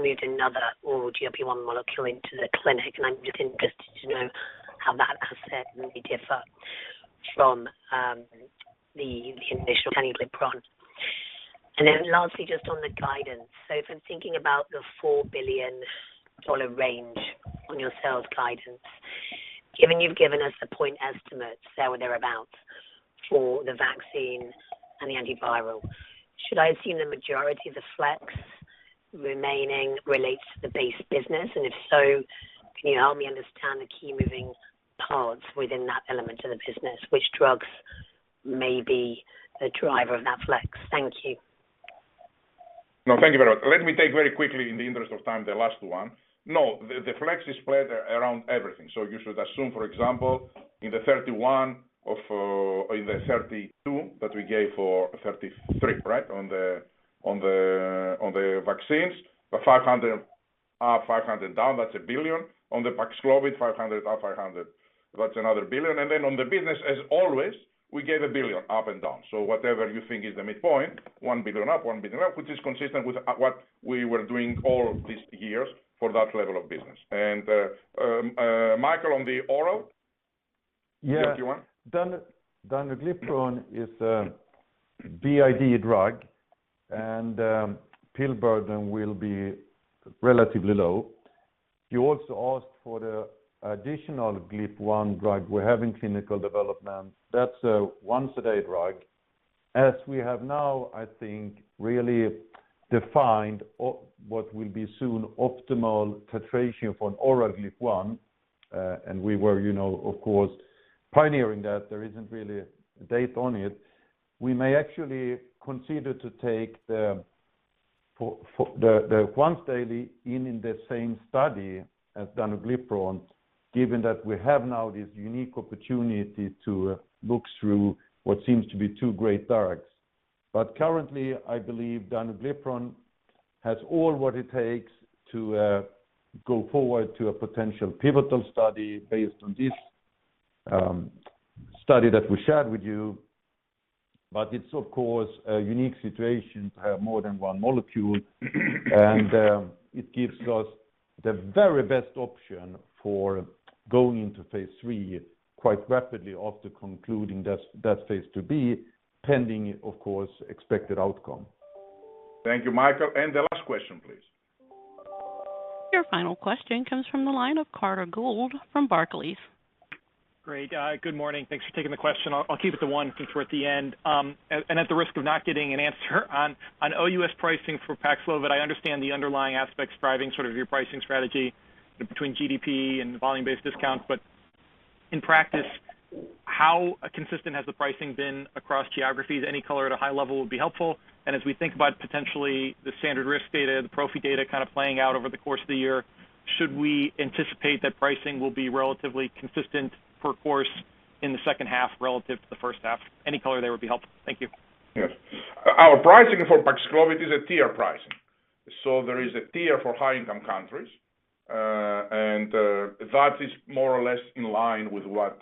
moved another oral GLP-1 molecule into the clinic, and I'm just interested to know how that asset maybe differ from the initial danuglipron. And then lastly, just on the guidance. If I'm thinking about the $4 billion range on your sales guidance, given you've given us the point estimates, there or thereabout, for the vaccine and the antiviral, should I assume the majority of the flex remaining relates to the base business? If so, can you help me understand the key moving parts within that element of the business? Which drugs may be the driver of that flex? Thank you. No, thank you very much. Let me take very quickly in the interest of time, the last one. No, the flex is spread around everything. You should assume, for example, in the $31 billion, in the $32 billion that we gave for 2023, right, on the vaccines, the $500 million up, $500 million down, that's $1 billion. On the Paxlovid, $500 million up, $500 million, that's another $1 billion. Then on the business, as always, we gave $1 billion up and down. Whatever you think is the midpoint, $1 billion up, $1 billion up, which is consistent with what we were doing all of these years for that level of business. Mikael, on the oral? Yeah. The GLP-1. danuglipron is a BID drug, and pill burden will be relatively low. You also asked for the additional GLP-1 drug we have in clinical development. That's a once a day drug. As we have now, I think, really defined what will be soon optimal titration for an oral GLP-1, and we were, you know, of course, pioneering that there isn't really data on it, we may actually consider to take the once daily in the same study as danuglipron, given that we have now this unique opportunity to look through what seems to be two great drugs. Currently, I believe danuglipron has all what it takes to go forward to a potential pivotal study based on this study that we shared with you. It's of course, a unique situation to have more than one molecule. It gives us the very best option for going into phase III quite rapidly after concluding that phase IIb pending, of course, expected outcome. Thank you, Mikael. The last question, please. Your final question comes from the line of Carter Gould from Barclays. Great. Good morning. Thanks for taking the question. I'll keep it to one since we're at the end. At the risk of not getting an answer on OUS pricing for Paxlovid, I understand the underlying aspects driving sort of your pricing strategy between GDP and volume-based discounts. But in practice, how consistent has the pricing been across geographies? Any color at a high level would be helpful. As we think about potentially the standard risk data, the prophylaxis data kind of playing out over the course of the year, should we anticipate that pricing will be relatively consistent per course in the second half relative to the first half? Any color there would be helpful. Thank you. Yes. Our pricing for Paxlovid is a tier pricing. There is a tier for high-income countries, and that is more or less in line with what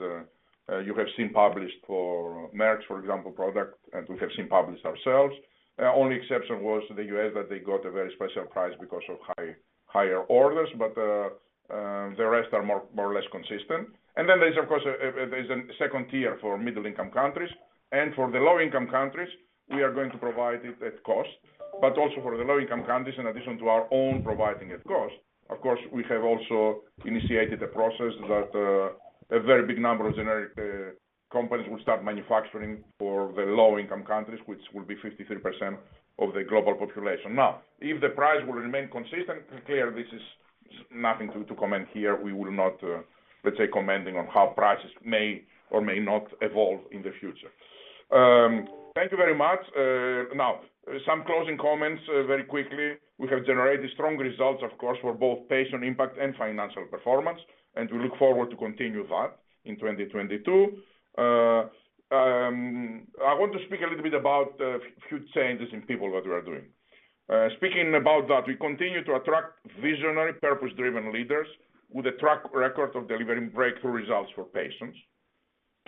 you have seen published for Merck's, for example, product, and we have seen published ourselves. Only exception was the U.S. that they got a very special price because of higher orders, but the rest are more or less consistent. Then there's of course a second tier for middle-income countries. For the low-income countries, we are going to provide it at cost. Also for the low-income countries, in addition to our own providing at cost, of course, we have also initiated a process that a very big number of generic companies will start manufacturing for the low-income countries, which will be 53% of the global population. Now, if the price will remain consistent, clear, this is nothing to comment here. We will not, let's say, commenting on how prices may or may not evolve in the future. Thank you very much. Now, some closing comments very quickly. We have generated strong results, of course, for both patient impact and financial performance, and we look forward to continue that in 2022. I want to speak a little bit about a few changes in people that we are doing. Speaking about that, we continue to attract visionary, purpose-driven leaders with a track record of delivering breakthrough results for patients.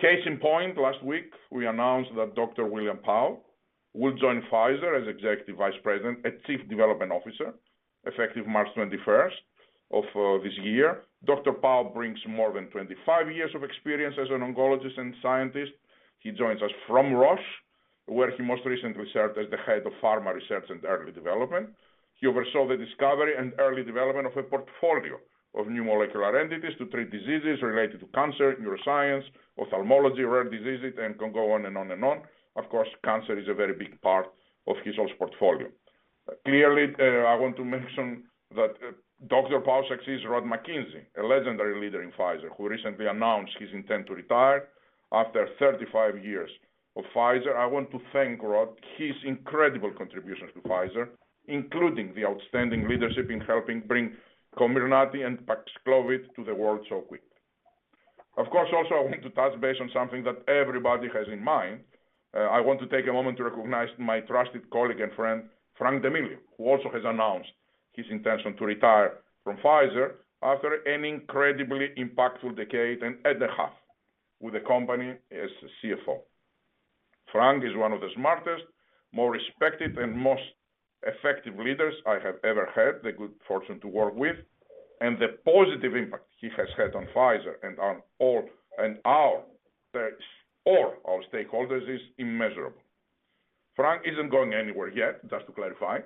Case in point, last week, we announced that Dr. William Pao will join Pfizer as Executive Vice President and Chief Development Officer, effective March 21st of this year. Dr. Pao brings more than 25 years of experience as an oncologist and scientist. He joins us from Roche, where he most recently served as the Head of Pharma Research and Early Development. He oversaw the discovery and early development of a portfolio of new molecular entities to treat diseases related to cancer, neuroscience, ophthalmology, rare diseases, and can go on and on and on. Of course, cancer is a very big part of his portfolio. Clearly, I want to mention that Dr. Pao succeeds Rod MacKenzie, a legendary leader in Pfizer, who recently announced his intent to retire after 35 years of Pfizer. I want to thank Rod, his incredible contributions to Pfizer, including the outstanding leadership in helping bring Comirnaty and Paxlovid to the world so quick. Of course, also, I want to touch base on something that everybody has in mind. I want to take a moment to recognize my trusted colleague and friend, Frank D'Amelio, who also has announced his intention to retire from Pfizer after an incredibly impactful decade and a half with the company as CFO. Frank is one of the smartest, more respected, and most effective leaders I have ever had the good fortune to work with, and the positive impact he has had on Pfizer and on all our stakeholders is immeasurable. Frank isn't going anywhere yet, just to clarify,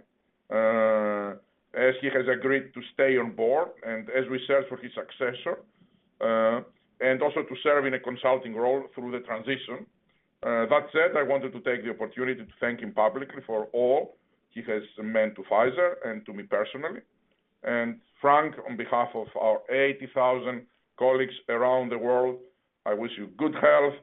as he has agreed to stay on board and as we search for his successor, and also to serve in a consulting role through the transition. That said, I wanted to take the opportunity to thank him publicly for all he has meant to Pfizer and to me personally. Frank, on behalf of our 80,000 colleagues around the world, I wish you good health,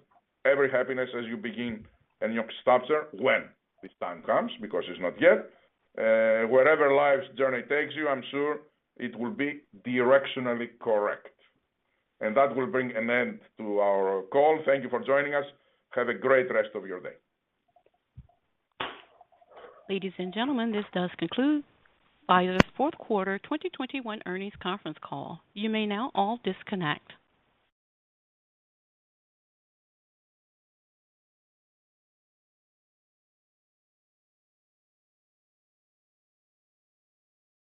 every happiness as you begin a new chapter when this time comes, because it's not yet. Wherever life's journey takes you, I'm sure it will be directionally correct. That will bring an end to our call. Thank you for joining us. Have a great rest of your day. Ladies and gentlemen, this does conclude Pfizer's fourth quarter 2021 earnings conference call. You may now all disconnect.